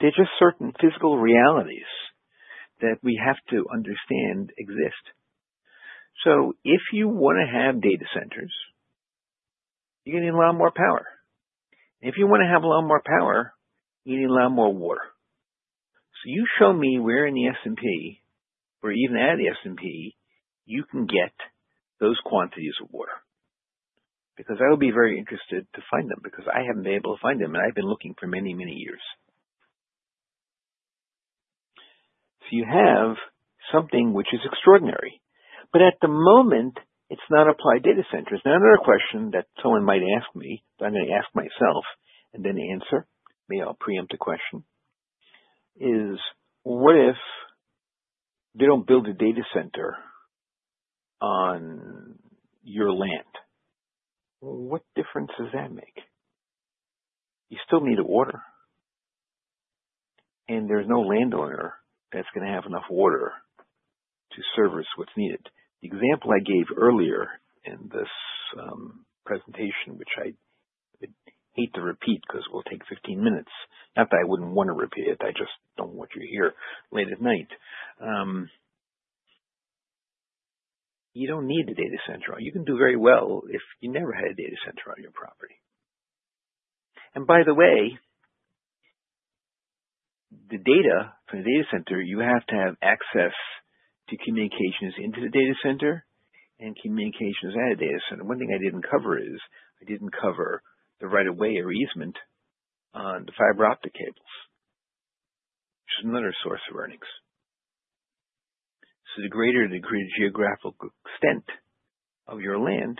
There are just certain physical realities that we have to understand exist. So if you want to have data centers, you need a lot more power. If you want to have a lot more power, you need a lot more water. So you show me where in the S&P or even at the S&P you can get those quantities of water because I would be very interested to find them because I haven't been able to find them, and I've been looking for many, many years. So you have something which is extraordinary. But at the moment, it's not applied data centers. Now, another question that someone might ask me that I'm going to ask myself and then answer maybe I'll preempt a question is, "What if they don't build a data center on your land?" Well, what difference does that make? You still need water. And there's no landowner that's going to have enough water to service what's needed. The example I gave earlier in this presentation, which I hate to repeat because it will take 15 minutes, not that I wouldn't want to repeat it. I just don't want you here late at night. You don't need a data center. You can do very well if you never had a data center on your property. And by the way, from the data center, you have to have access to communications into the data center and communications out of the data center. One thing I didn't cover is I didn't cover the right-of-way easement on the fiber optic cables, which is another source of earnings. So the greater the geographical extent of your land,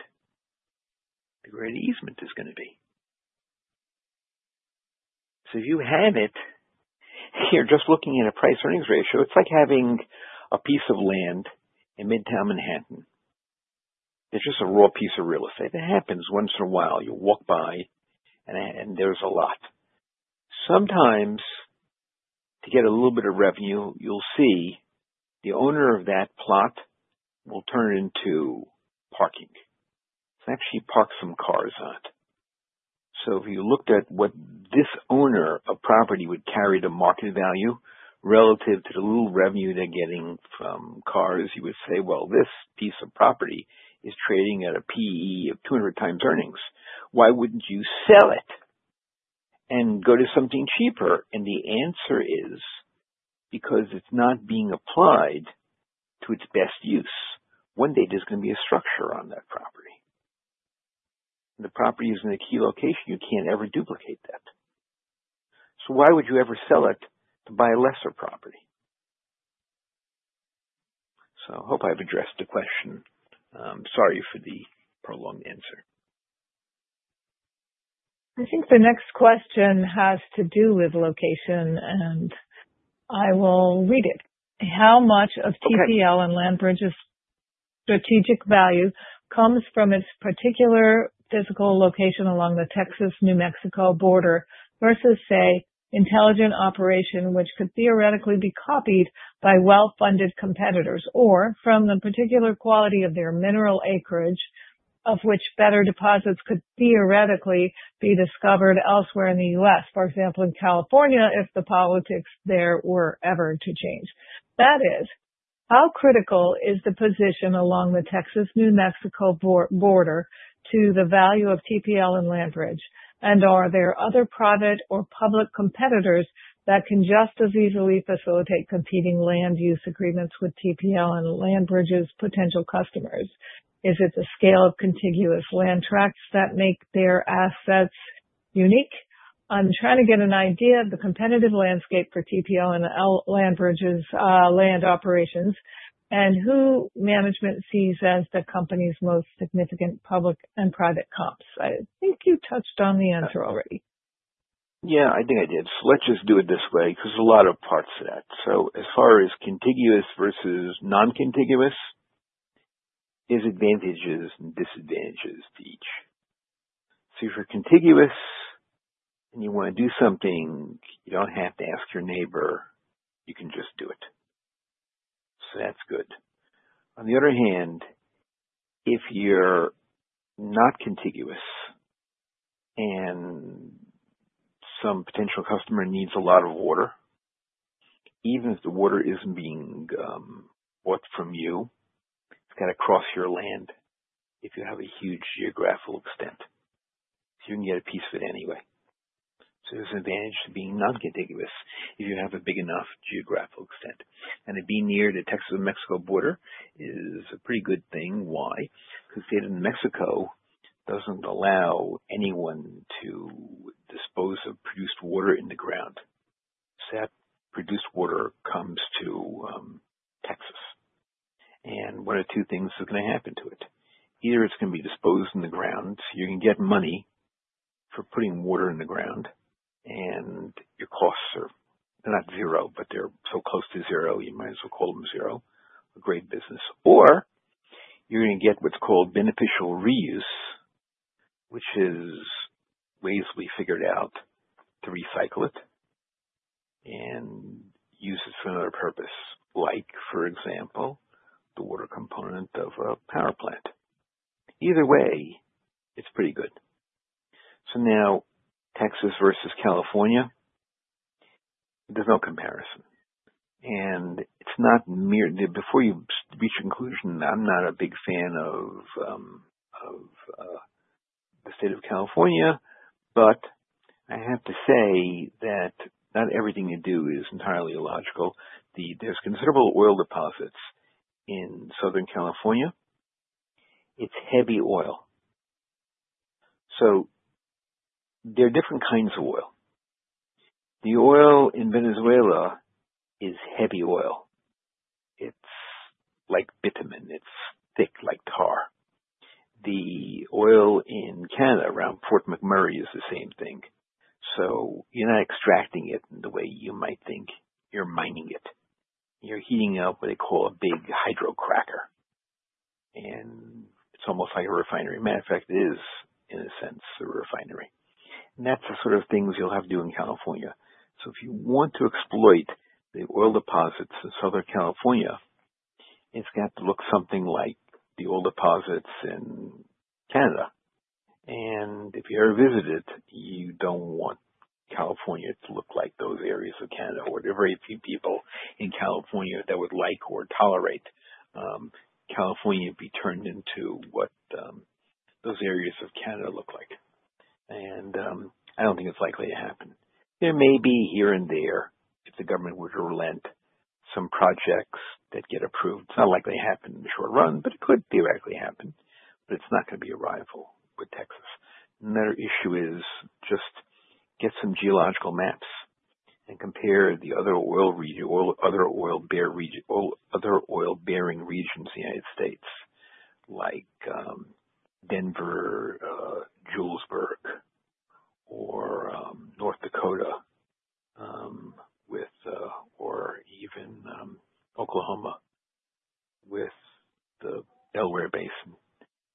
the greater the easement is going to be. So if you have it, you're just looking at a price-earnings ratio. It's like having a piece of land in Midtown Manhattan. It's just a raw piece of real estate. It happens once in a while. You walk by, and there's a lot. Sometimes, to get a little bit of revenue, you'll see the owner of that plot will turn it into parking. So actually, park some cars on it. So if you looked at what this owner of property would carry to market value relative to the little revenue they're getting from cars, you would say, "Well, this piece of property is trading at a P/E of 200 times earnings. Why wouldn't you sell it and go to something cheaper?" And the answer is because it's not being applied to its best use. One day, there's going to be a structure on that property. The property is in a key location. You can't ever duplicate that. So why would you ever sell it to buy a lesser property? So I hope I've addressed the question. Sorry for the prolonged answer. I think the next question has to do with location, and I will read it. How much of TPL and LandBridge's strategic value comes from its particular physical location along the Texas-New Mexico border versus, say, intelligent operation, which could theoretically be copied by well-funded competitors or from the particular quality of their mineral acreage, of which better deposits could theoretically be discovered elsewhere in the U.S., for example, in California, if the politics there were ever to change? That is, how critical is the position along the Texas-New Mexico border to the value of TPL and LandBridge? And are there other private or public competitors that can just as easily facilitate competing land use agreements with TPL and LandBridge's potential customers? Is it the scale of contiguous land tracts that make their assets unique? I'm trying to get an idea of the competitive landscape for TPL and LandBridge's land operations and who management sees as the company's most significant public and private comps. I think you touched on the answer already. Yeah, I think I did, so let's just do it this way because there's a lot of parts to that, so as far as contiguous versus non-contiguous, there are advantages and disadvantages to each, so if you're contiguous and you want to do something, you don't have to ask your neighbor. You can just do it. So that's good. On the other hand, if you're not contiguous and some potential customer needs a lot of water, even if the water isn't being bought from you, it's got to cross your land if you have a huge geographical extent, so you can get a piece of it anyway, so there's an advantage to being non-contiguous if you have a big enough geographical extent, and it being near the Texas-New Mexico border is a pretty good thing. Why? Because the state of New Mexico doesn't allow anyone to dispose of produced water in the ground. So that produced water comes to Texas, and one of two things is going to happen to it. Either it's going to be disposed in the ground. You're going to get money for putting water in the ground, and your costs are not zero, but they're so close to zero, you might as well call them zero. A great business. Or you're going to get what's called beneficial reuse, which is ways we figured out to recycle it and use it for another purpose, like, for example, the water component of a power plant. Either way, it's pretty good, so now, Texas versus California, there's no comparison. And before you reach your conclusion, I'm not a big fan of the state of California, but I have to say that not everything you do is entirely illogical. There's considerable oil deposits in Southern California. It's heavy oil. So there are different kinds of oil. The oil in Venezuela is heavy oil. It's like bitumen. It's thick like tar. The oil in Canada, around Fort McMurray, is the same thing. So you're not extracting it in the way you might think. You're mining it. You're heating up what they call a big hydrocracker. And it's almost like a refinery. Matter of fact, it is, in a sense, a refinery. And that's the sort of things you'll have to do in California. So if you want to exploit the oil deposits in Southern California, it's got to look something like the oil deposits in Canada. If you ever visit it, you don't want California to look like those areas of Canada. Or there are very few people in California that would like or tolerate California being turned into what those areas of Canada look like. And I don't think it's likely to happen. There may be here and there, if the government were to relent, some projects that get approved. It's not likely to happen in the short run, but it could theoretically happen. But it's not going to be a rival with Texas. Another issue is just get some geological maps and compare the other oil-bearing regions in the United States, like Denver-Julesburg, or North Dakota, or even Oklahoma with the Delaware Basin,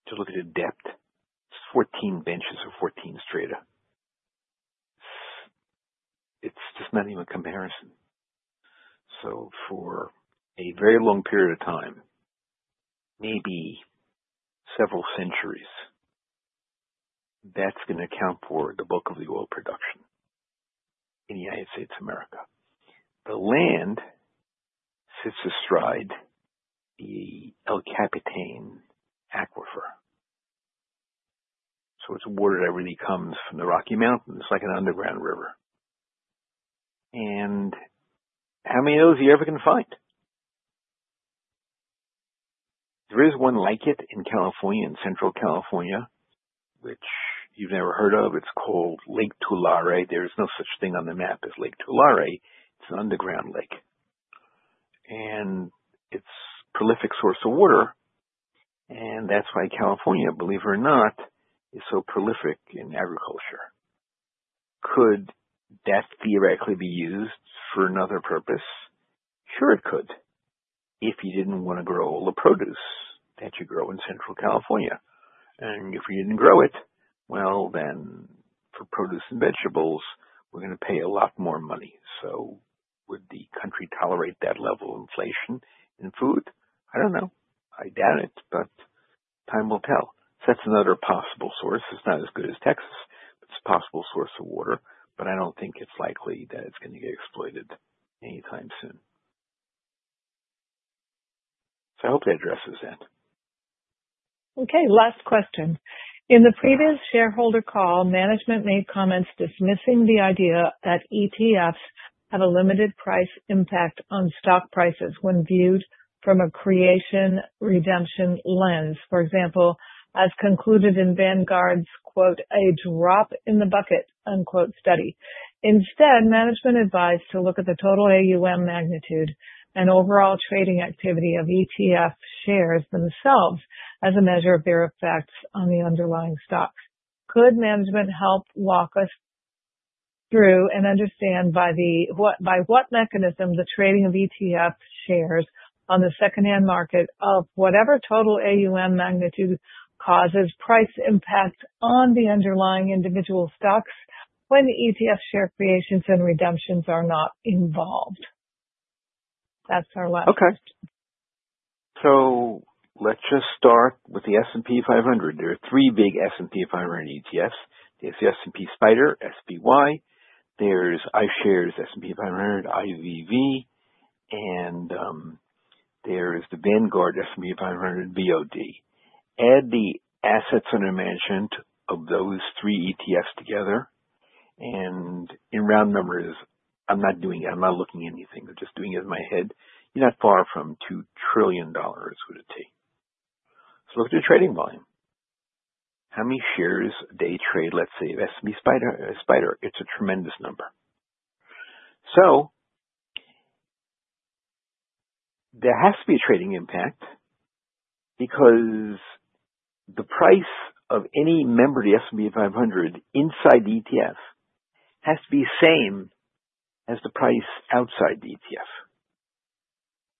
to look at the depth. It's 14 benches or 14 strata. It's just not even a comparison. For a very long period of time, maybe several centuries, that's going to account for the bulk of the oil production in the United States of America. The land sits astride the El Capitan Aquifer. It's water that really comes from the Rocky Mountains. It's like an underground river. And how many of those have you ever been to find? There is one like it in California and Central California, which you've never heard of. It's called Lake Tulare. There is no such thing on the map as Lake Tulare. It's an underground lake. And it's a prolific source of water. And that's why California, believe it or not, is so prolific in agriculture. Could that theoretically be used for another purpose? Sure, it could. If you didn't want to grow all the produce that you grow in Central California. And if you didn't grow it, well, then for produce and vegetables, we're going to pay a lot more money. So would the country tolerate that level of inflation in food? I don't know. I doubt it, but time will tell. So that's another possible source. It's not as good as Texas, but it's a possible source of water. But I don't think it's likely that it's going to get exploited anytime soon. So I hope that addresses that. Okay. Last question. In the previous shareholder call, management made comments dismissing the idea that ETFs have a limited price impact on stock prices when viewed from a creation-redemption lens. For example, as concluded in Vanguard's "A Drop in the Bucket" study. Instead, management advised to look at the total AUM magnitude and overall trading activity of ETF shares themselves as a measure of their effects on the underlying stocks. Could management help walk us through and understand by what mechanism the trading of ETF shares on the secondary market of whatever total AUM magnitude causes price impact on the underlying individual stocks when ETF share creations and redemptions are not involved? That's our last question. Okay, so let's just start with the S&P 500. There are three big S&P 500 ETFs. There's the SPDR, SPY. There's iShares S&P 500, IVV. And there is the Vanguard S&P 500, VOO. Add the assets under management of those three ETFs together. And in round numbers, I'm not doing it. I'm not looking at anything. I'm just doing it in my head. You're not far from $2 trillion. Would it take. So look at the trading volume. How many shares a day trade, let's say, of SPDR? It's a tremendous number. So there has to be a trading impact because the price of any member of the S&P 500 inside the ETF has to be the same as the price outside the ETF.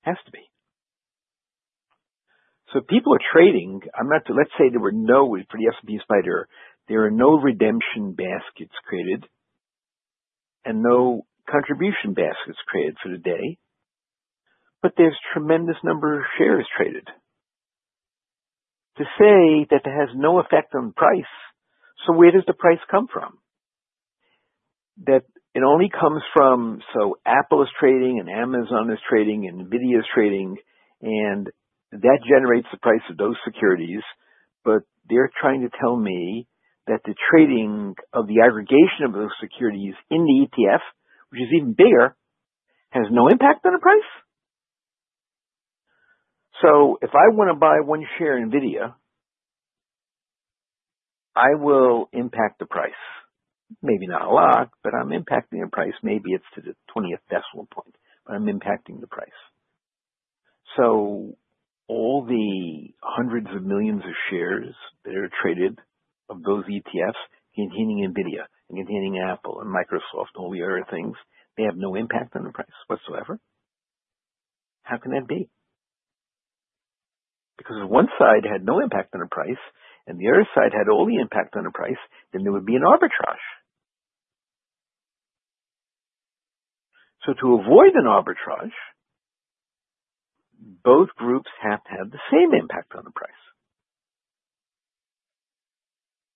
Has to be. So if people are trading, let's say there were no for the S&P SPY, there are no redemption baskets created and no contribution baskets created for the day, but there's a tremendous number of shares traded. To say that it has no effect on price, so where does the price come from? That it only comes from, so Apple is trading, and Amazon is trading, and NVIDIA is trading, and that generates the price of those securities, but they're trying to tell me that the trading of the aggregation of those securities in the ETF, which is even bigger, has no impact on the price? So if I want to buy one share in NVIDIA, I will impact the price. Maybe not a lot, but I'm impacting the price. Maybe it's to the 20th decimal point, but I'm impacting the price. So all the hundreds of millions of shares that are traded of those ETFs, including NVIDIA and including Apple and Microsoft and all the other things, they have no impact on the price whatsoever. How can that be? Because if one side had no impact on the price and the other side had all the impact on the price, then there would be an arbitrage. So to avoid an arbitrage, both groups have to have the same impact on the price,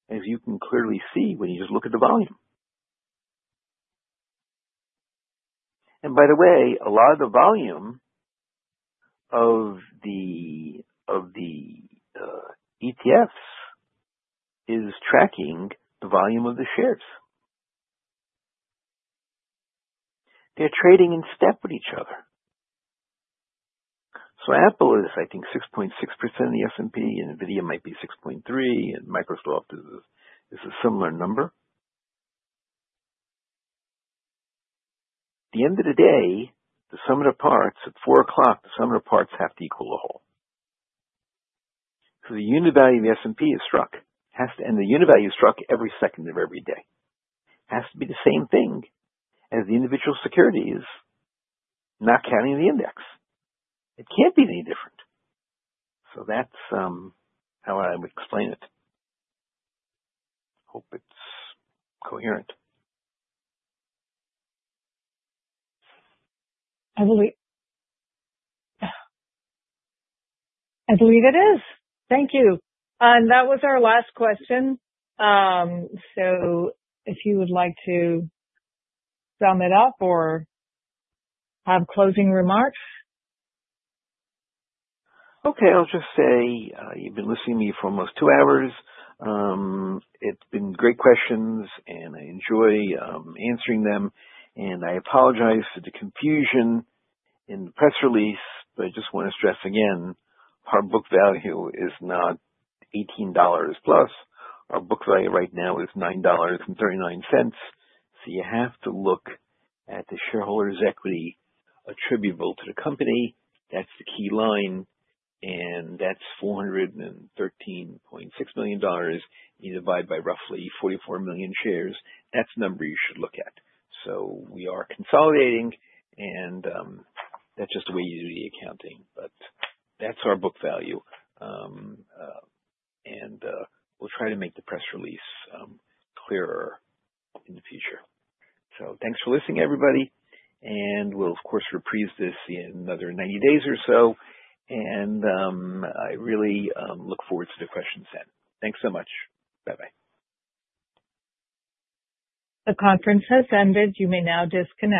as you can clearly see when you just look at the volume. And by the way, a lot of the volume of the ETFs is tracking the volume of the shares. They're trading in step with each other. So Apple is, I think, 6.6% of the S&P, and NVIDIA might be 6.3%, and Microsoft is a similar number. At the end of the day, the sum of the parts at 4:00 P.M., the sum of the parts have to equal the whole. So the unit value of the S&P is struck. And the unit value is struck every second of every day. It has to be the same thing as the individual securities, not counting the index. It can't be any different. So that's how I would explain it. Hope it's coherent. I believe it is. Thank you. And that was our last question. So if you would like to sum it up or have closing remarks. Okay. I'll just say you've been listening to me for almost two hours. It's been great questions, and I enjoy answering them. And I apologize for the confusion in the press release, but I just want to stress again, our book value is not $18 plus. Our book value right now is $9.39. So you have to look at the shareholders' equity attributable to the company. That's the key line. And that's $413.6 million. You divide by roughly 44 million shares. That's the number you should look at. So we are consolidating, and that's just the way you do the accounting. But that's our book value. And we'll try to make the press release clearer in the future. So thanks for listening, everybody. And we'll, of course, reprise this in another 90 days or so. And I really look forward to the questions then. Thanks so much. Bye-bye. The conference has ended. You may now disconnect.